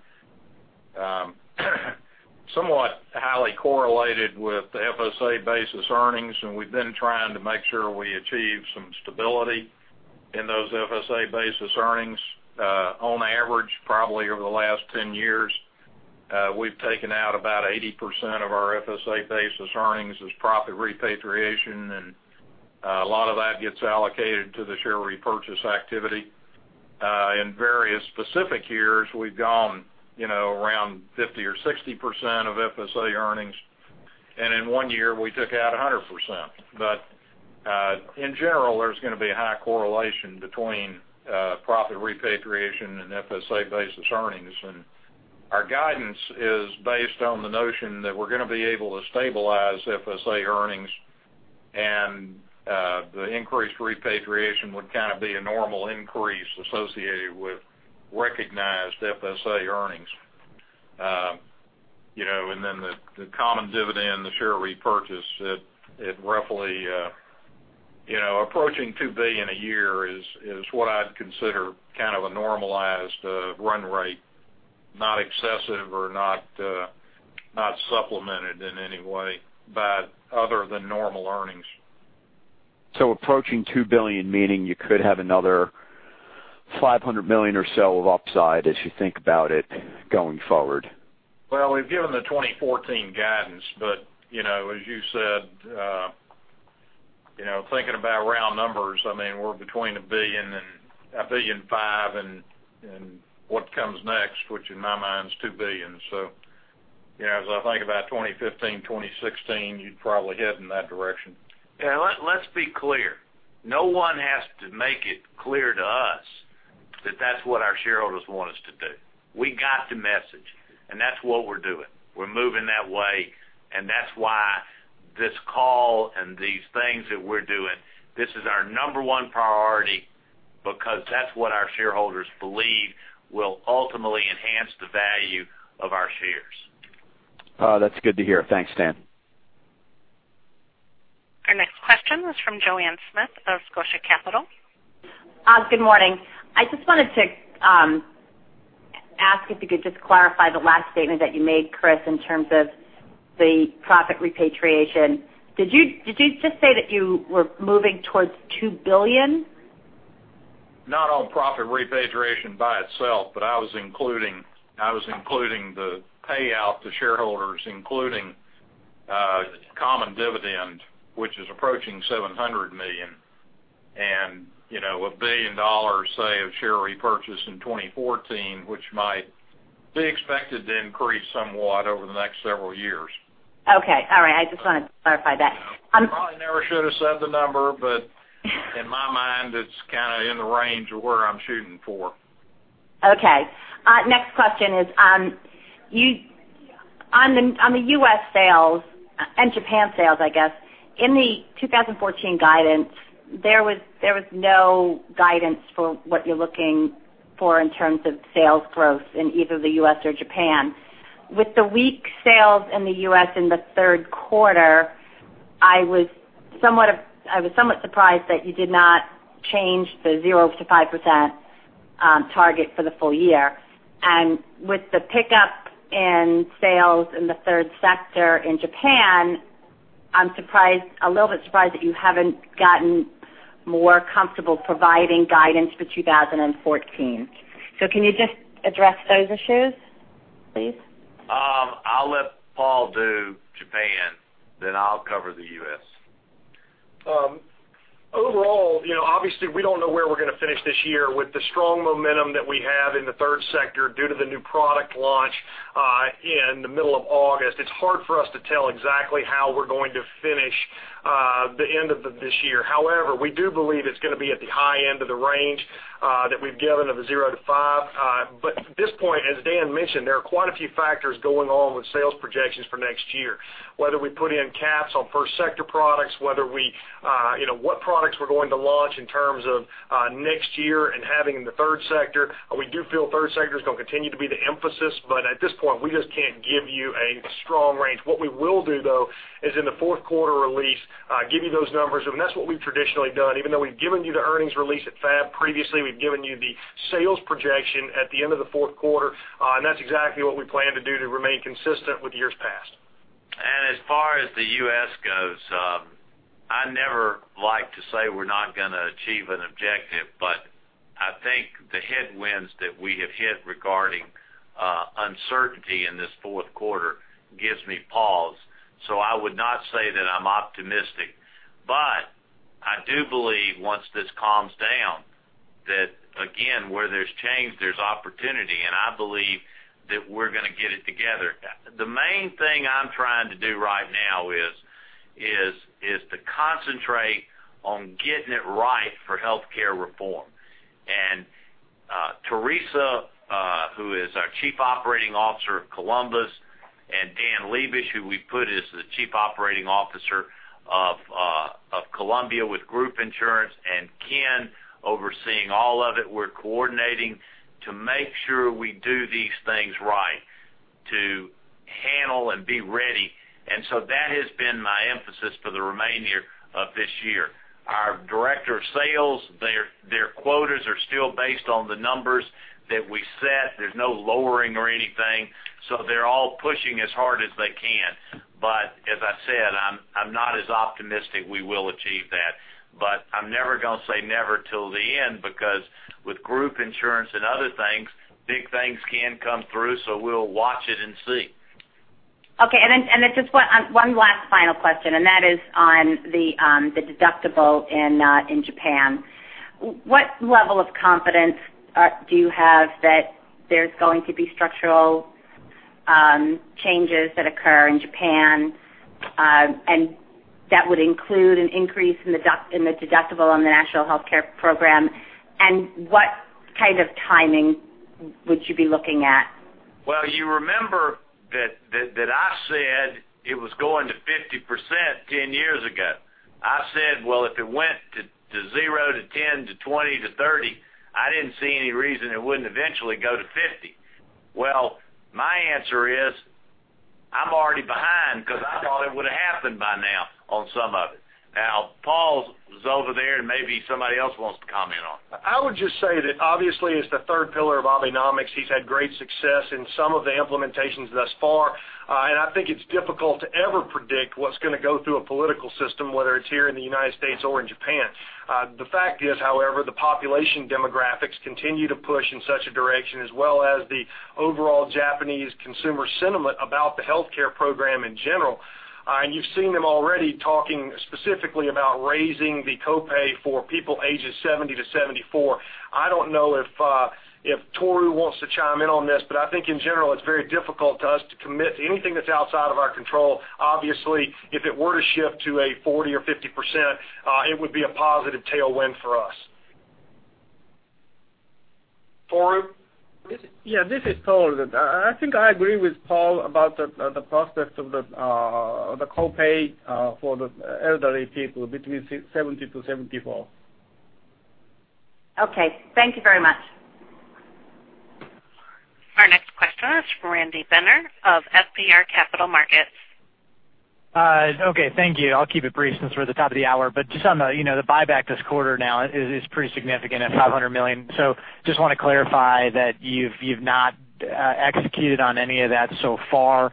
D: somewhat highly correlated with the FSA basis earnings, and we've been trying to make sure we achieve some stability in those FSA basis earnings. On average, probably over the last 10 years, we've taken out about 80% of our FSA basis earnings as profit repatriation, and a lot of that gets allocated to the share repurchase activity. In various specific years, we've gone around 50% or 60% of FSA earnings. In one year, we took out 100%. In general, there's going to be a high correlation between profit repatriation and FSA basis earnings. Our guidance is based on the notion that we're going to be able to stabilize FSA earnings, and the increased repatriation would kind of be a normal increase associated with recognized FSA earnings. Then the common dividend, the share repurchase, at roughly approaching $2 billion a year is what I'd consider kind of a normalized run rate, not excessive or not supplemented in any way, but other than normal earnings.
M: Approaching $2 billion meaning you could have another $500 million or so of upside as you think about it going forward.
D: We've given the 2014 guidance, but, as you said, thinking about round numbers, we're between $1 billion and $1.5 billion and what comes next, which in my mind is $2 billion. As I think about 2015, 2016, you'd probably head in that direction.
C: Let's be clear. No one has to make it clear to us that that's what our shareholders want us to do. We got the message. That's what we're doing. We're moving that way. That's why this call and these things that we're doing, this is our number 1 priority because that's what our shareholders believe will ultimately enhance the value of our shares.
M: That's good to hear. Thanks, Dan.
A: Our next question is from Joanne Smith of Scotia Capital.
N: Good morning. I just wanted to ask if you could just clarify the last statement that you made, Kriss, in terms of the profit repatriation. Did you just say that you were moving towards $2 billion?
D: Not on profit repatriation by itself, but I was including the payout to shareholders, including common dividend, which is approaching $700 million. A $1 billion, say, of share repurchase in 2014, which might be expected to increase somewhat over the next several years.
N: Okay. All right. I just wanted to clarify that.
D: I probably never should have said the number, in my mind, it's kind of in the range of where I'm shooting for.
N: Okay. Next question is, on the U.S. sales and Japan sales, I guess, in the 2014 guidance, there was no guidance for what you're looking for in terms of sales growth in either the U.S. or Japan. With the weak sales in the U.S. in the third quarter, I was somewhat surprised that you did not change the 0% to 5% target for the full year. With the pickup in sales in the third sector in Japan I'm a little bit surprised that you haven't gotten more comfortable providing guidance for 2014. Can you just address those issues, please?
C: I'll let Paul do Japan. I'll cover the U.S.
G: Overall, obviously, we don't know where we're going to finish this year with the strong momentum that we have in the third sector due to the new product launch in the middle of August. It's hard for us to tell exactly how we're going to finish the end of this year. However, we do believe it's going to be at the high end of the range that we've given of a 0% to 5%. At this point, as Dan mentioned, there are quite a few factors going on with sales projections for next year. Whether we put in caps on first sector products, what products we're going to launch in terms of next year and having in the third sector. We do feel third sector is going to continue to be the emphasis. At this point, we just can't give you a strong range. What we will do, though, is in the fourth quarter release, give you those numbers. That's what we've traditionally done. Even though we've given you the earnings release at FAB, previously, we've given you the sales projection at the end of the fourth quarter. That's exactly what we plan to do to remain consistent with years past.
C: As far as the U.S. goes, I never like to say we're not going to achieve an objective, I think the headwinds that we have hit regarding uncertainty in this fourth quarter gives me pause. I would not say that I'm optimistic, but I do believe once this calms down, that again, where there's change, there's opportunity, and I believe that we're going to get it together. The main thing I'm trying to do right now is to concentrate on getting it right for healthcare reform. Teresa, who is our Chief Operating Officer of Columbus, and Dan Amos, who we put as the Chief Operating Officer of Columbus with group insurance, and Ken overseeing all of it, we're coordinating to make sure we do these things right to handle and be ready. That has been my emphasis for the remaining of this year. Our director of sales, their quotas are still based on the numbers that we set. There's no lowering or anything, they're all pushing as hard as they can. As I said, I'm not as optimistic we will achieve that. I'm never going to say never till the end, because with group insurance and other things, big things can come through, we'll watch it and see.
N: Just one last final question, and that is on the deductible in Japan. What level of confidence do you have that there's going to be structural changes that occur in Japan, and that would include an increase in the deductible on the National Healthcare Program? What kind of timing would you be looking at?
C: You remember that I said it was going to 50% 10 years ago. I said, if it went to 0 to 10 to 20 to 30, I didn't see any reason it wouldn't eventually go to 50. My answer is I'm already behind because I thought it would have happened by now on some of it. Paul is over there, and maybe somebody else wants to comment on it.
G: I would just say that obviously, as the third pillar of Abenomics, he's had great success in some of the implementations thus far. I think it's difficult to ever predict what's going to go through a political system, whether it's here in the United States or in Japan. The fact is, however, the population demographics continue to push in such a direction, as well as the overall Japanese consumer sentiment about the healthcare program in general. You've seen them already talking specifically about raising the copay for people ages 70-74. I don't know if Tohru wants to chime in on this, but I think in general, it's very difficult to us to commit to anything that's outside of our control. If it were to shift to a 40% or 50%, it would be a positive tailwind for us.
C: Tohru?
F: Yeah, this is Tohru. I think I agree with Paul about the process of the copay for the elderly people between 70-74.
N: Okay. Thank you very much.
A: Our next question is from Randy Binner of FBR Capital Markets.
O: Okay, thank you. I'll keep it brief since we're at the top of the hour. Just on the buyback this quarter now is pretty significant at $500 million. Just want to clarify that you've not executed on any of that so far,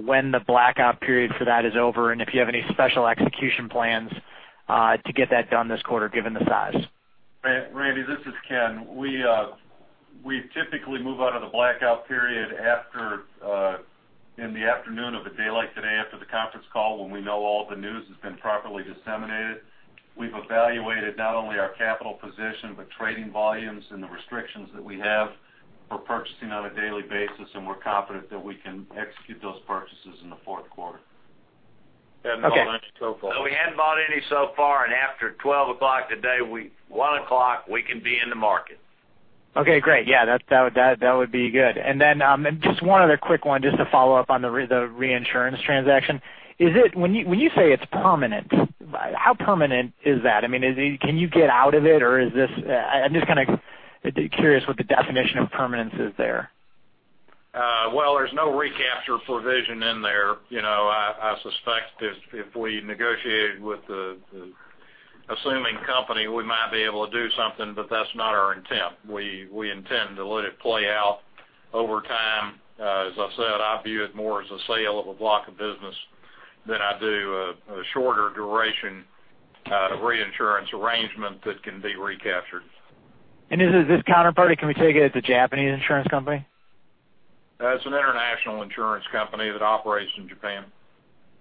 O: when the blackout period for that is over, and if you have any special execution plans to get that done this quarter given the size.
K: Randy, this is Ken. We typically move out of the blackout period in the afternoon of a day like today after the conference call when we know all the news has been properly disseminated. We've evaluated not only our capital position, but trading volumes and the restrictions that we have for purchasing on a daily basis, and we're confident that we can execute those purchases in the fourth quarter.
O: Okay.
C: We haven't bought any so far. After 12 o'clock today, 1:00, we can be in the market.
O: Okay, great. Yeah, that would be good. Just one other quick one just to follow up on the reinsurance transaction. When you say it's permanent, how permanent is that? Can you get out of it, or I'm just curious what the definition of permanence is there.
C: Well, there's no recapture provision in there. I suspect if we negotiated with the
D: Assuming company, we might be able to do something, that's not our intent. We intend to let it play out over time. As I said, I view it more as a sale of a block of business than I do a shorter duration of reinsurance arrangement that can be recaptured.
O: This counterparty, can we take it as a Japanese insurance company?
D: It's an international insurance company that operates in Japan.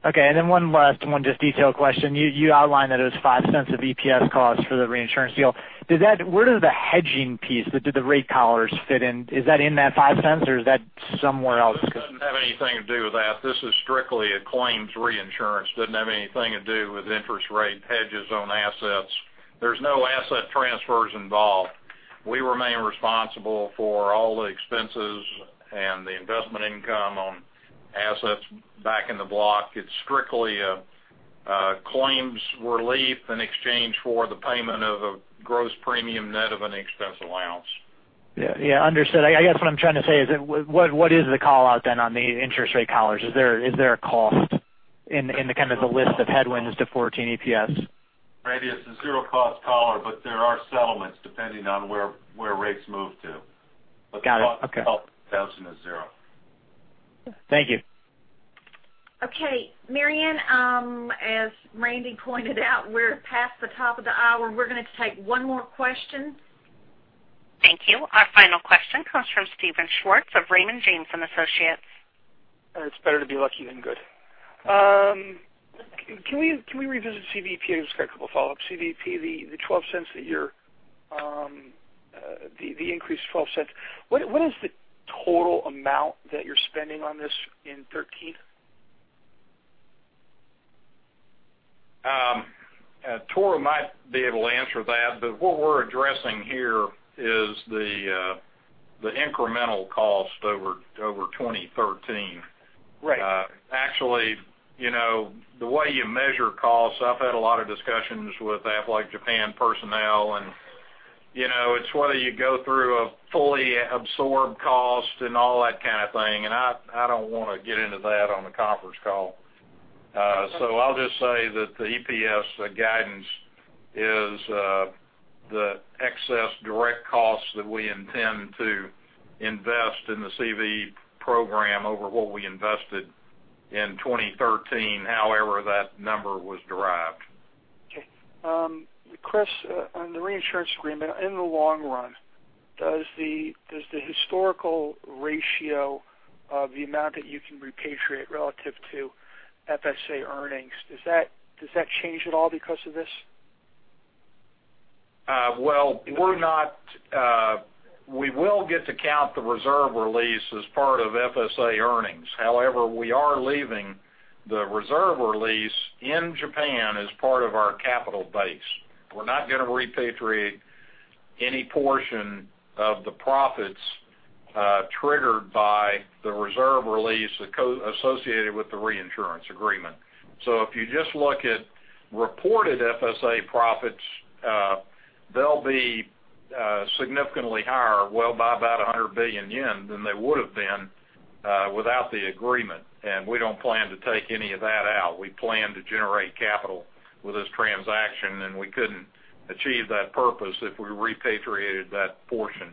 O: Okay, then one last one, just detail question. You outlined that it was $0.05 of EPS cost for the reinsurance deal. Where does the hedging piece, did the rate collars fit in? Is that in that $0.05 or is that somewhere else?
D: This doesn't have anything to do with that. This is strictly a claims reinsurance. Doesn't have anything to do with interest rate hedges on assets. There's no asset transfers involved. We remain responsible for all the expenses and the investment income on assets back in the block. It's strictly a claims relief in exchange for the payment of a gross premium net of an expense allowance.
O: Yeah. Understood. I guess what I'm trying to say is, what is the call out then on the interest rate collars? Is there a cost in the list of headwinds to 2014 EPS?
D: Randy, it's a zero cost collar, but there are settlements depending on where rates move to.
O: Got it. Okay.
D: The cost itself is zero.
O: Thank you.
B: Okay, Marianne, as Randy pointed out, we are past the top of the hour. We are going to take one more question.
A: Thank you. Our final question comes from Steven Schwartz of Raymond James & Associates.
P: It's better to be lucky than good. Can we revisit CVEP? I just got a couple follow-ups. CVEP, the $0.12 a year, the increased $0.12. What is the total amount that you're spending on this in 2013?
D: Tohru might be able to answer that. What we're addressing here is the incremental cost over 2013.
P: Right.
D: Actually, the way you measure cost, I've had a lot of discussions with Aflac Japan personnel, and it's whether you go through a fully absorbed cost and all that kind of thing, and I don't want to get into that on a conference call. I'll just say that the EPS guidance is the excess direct cost that we intend to invest in the CV program over what we invested in 2013, however that number was derived.
P: Okay. Kriss, on the reinsurance agreement, in the long run, does the historical ratio of the amount that you can repatriate relative to FSA earnings, does that change at all because of this?
D: Well, we will get to count the reserve release as part of FSA earnings. However, we are leaving the reserve release in Japan as part of our capital base. We're not going to repatriate any portion of the profits triggered by the reserve release associated with the reinsurance agreement. If you just look at reported FSA profits, they'll be significantly higher, well by about 100 billion yen than they would have been without the agreement, we don't plan to take any of that out. We plan to generate capital with this transaction, we couldn't achieve that purpose if we repatriated that portion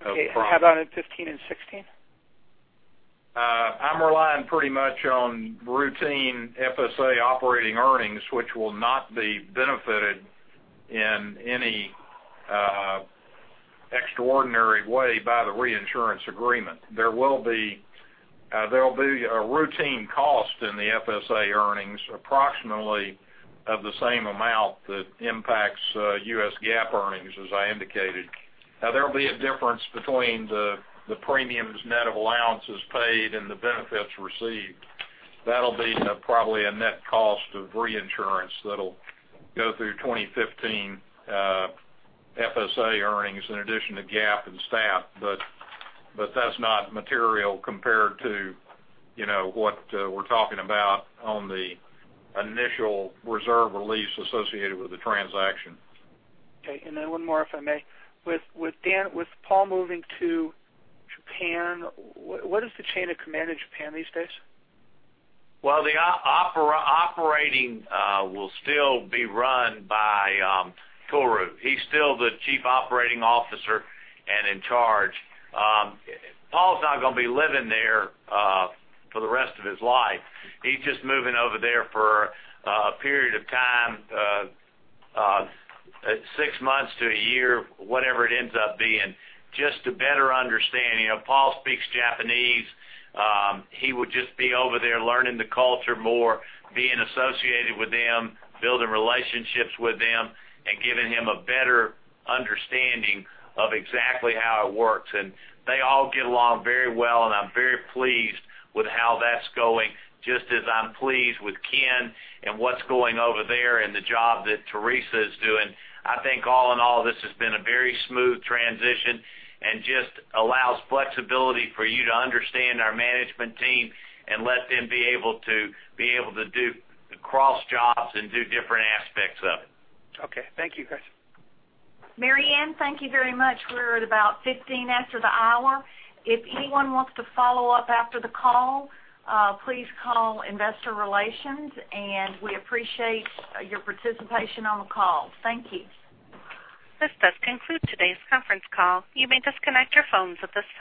D: of profits.
P: How about in 2015 and 2016?
D: I'm relying pretty much on routine FSA operating earnings, which will not be benefited in any extraordinary way by the reinsurance agreement. There will be a routine cost in the FSA earnings, approximately of the same amount that impacts U.S. GAAP earnings, as I indicated. There will be a difference between the premiums net of allowances paid and the benefits received. That'll be probably a net cost of reinsurance that'll go through 2015 FSA earnings in addition to GAAP and STAT, that's not material compared to what we're talking about on the initial reserve release associated with the transaction.
P: Okay, one more, if I may. With Paul moving to Japan, what is the chain of command in Japan these days?
D: Well, the operating will still be run by Toru. He's still the Chief Operating Officer and in charge. Paul's not going to be living there for the rest of his life. He's just moving over there for a period of time, six months to one year, whatever it ends up being, just to better understand. Paul speaks Japanese. He would just be over there learning the culture more, being associated with them, building relationships with them, and giving him a better understanding of exactly how it works. They all get along very well, and I'm very pleased with how that's going, just as I'm pleased with Ken and what's going over there and the job that Teresa is doing. I think all in all, this has been a very smooth transition and just allows flexibility for you to understand our management team and let them be able to do cross jobs and do different aspects of it.
P: Okay. Thank you, Chris.
B: Marianne, thank you very much. We're at about 15 after the hour. If anyone wants to follow up after the call, please call investor relations, and we appreciate your participation on the call. Thank you.
A: This does conclude today's conference call. You may disconnect your phones at this time.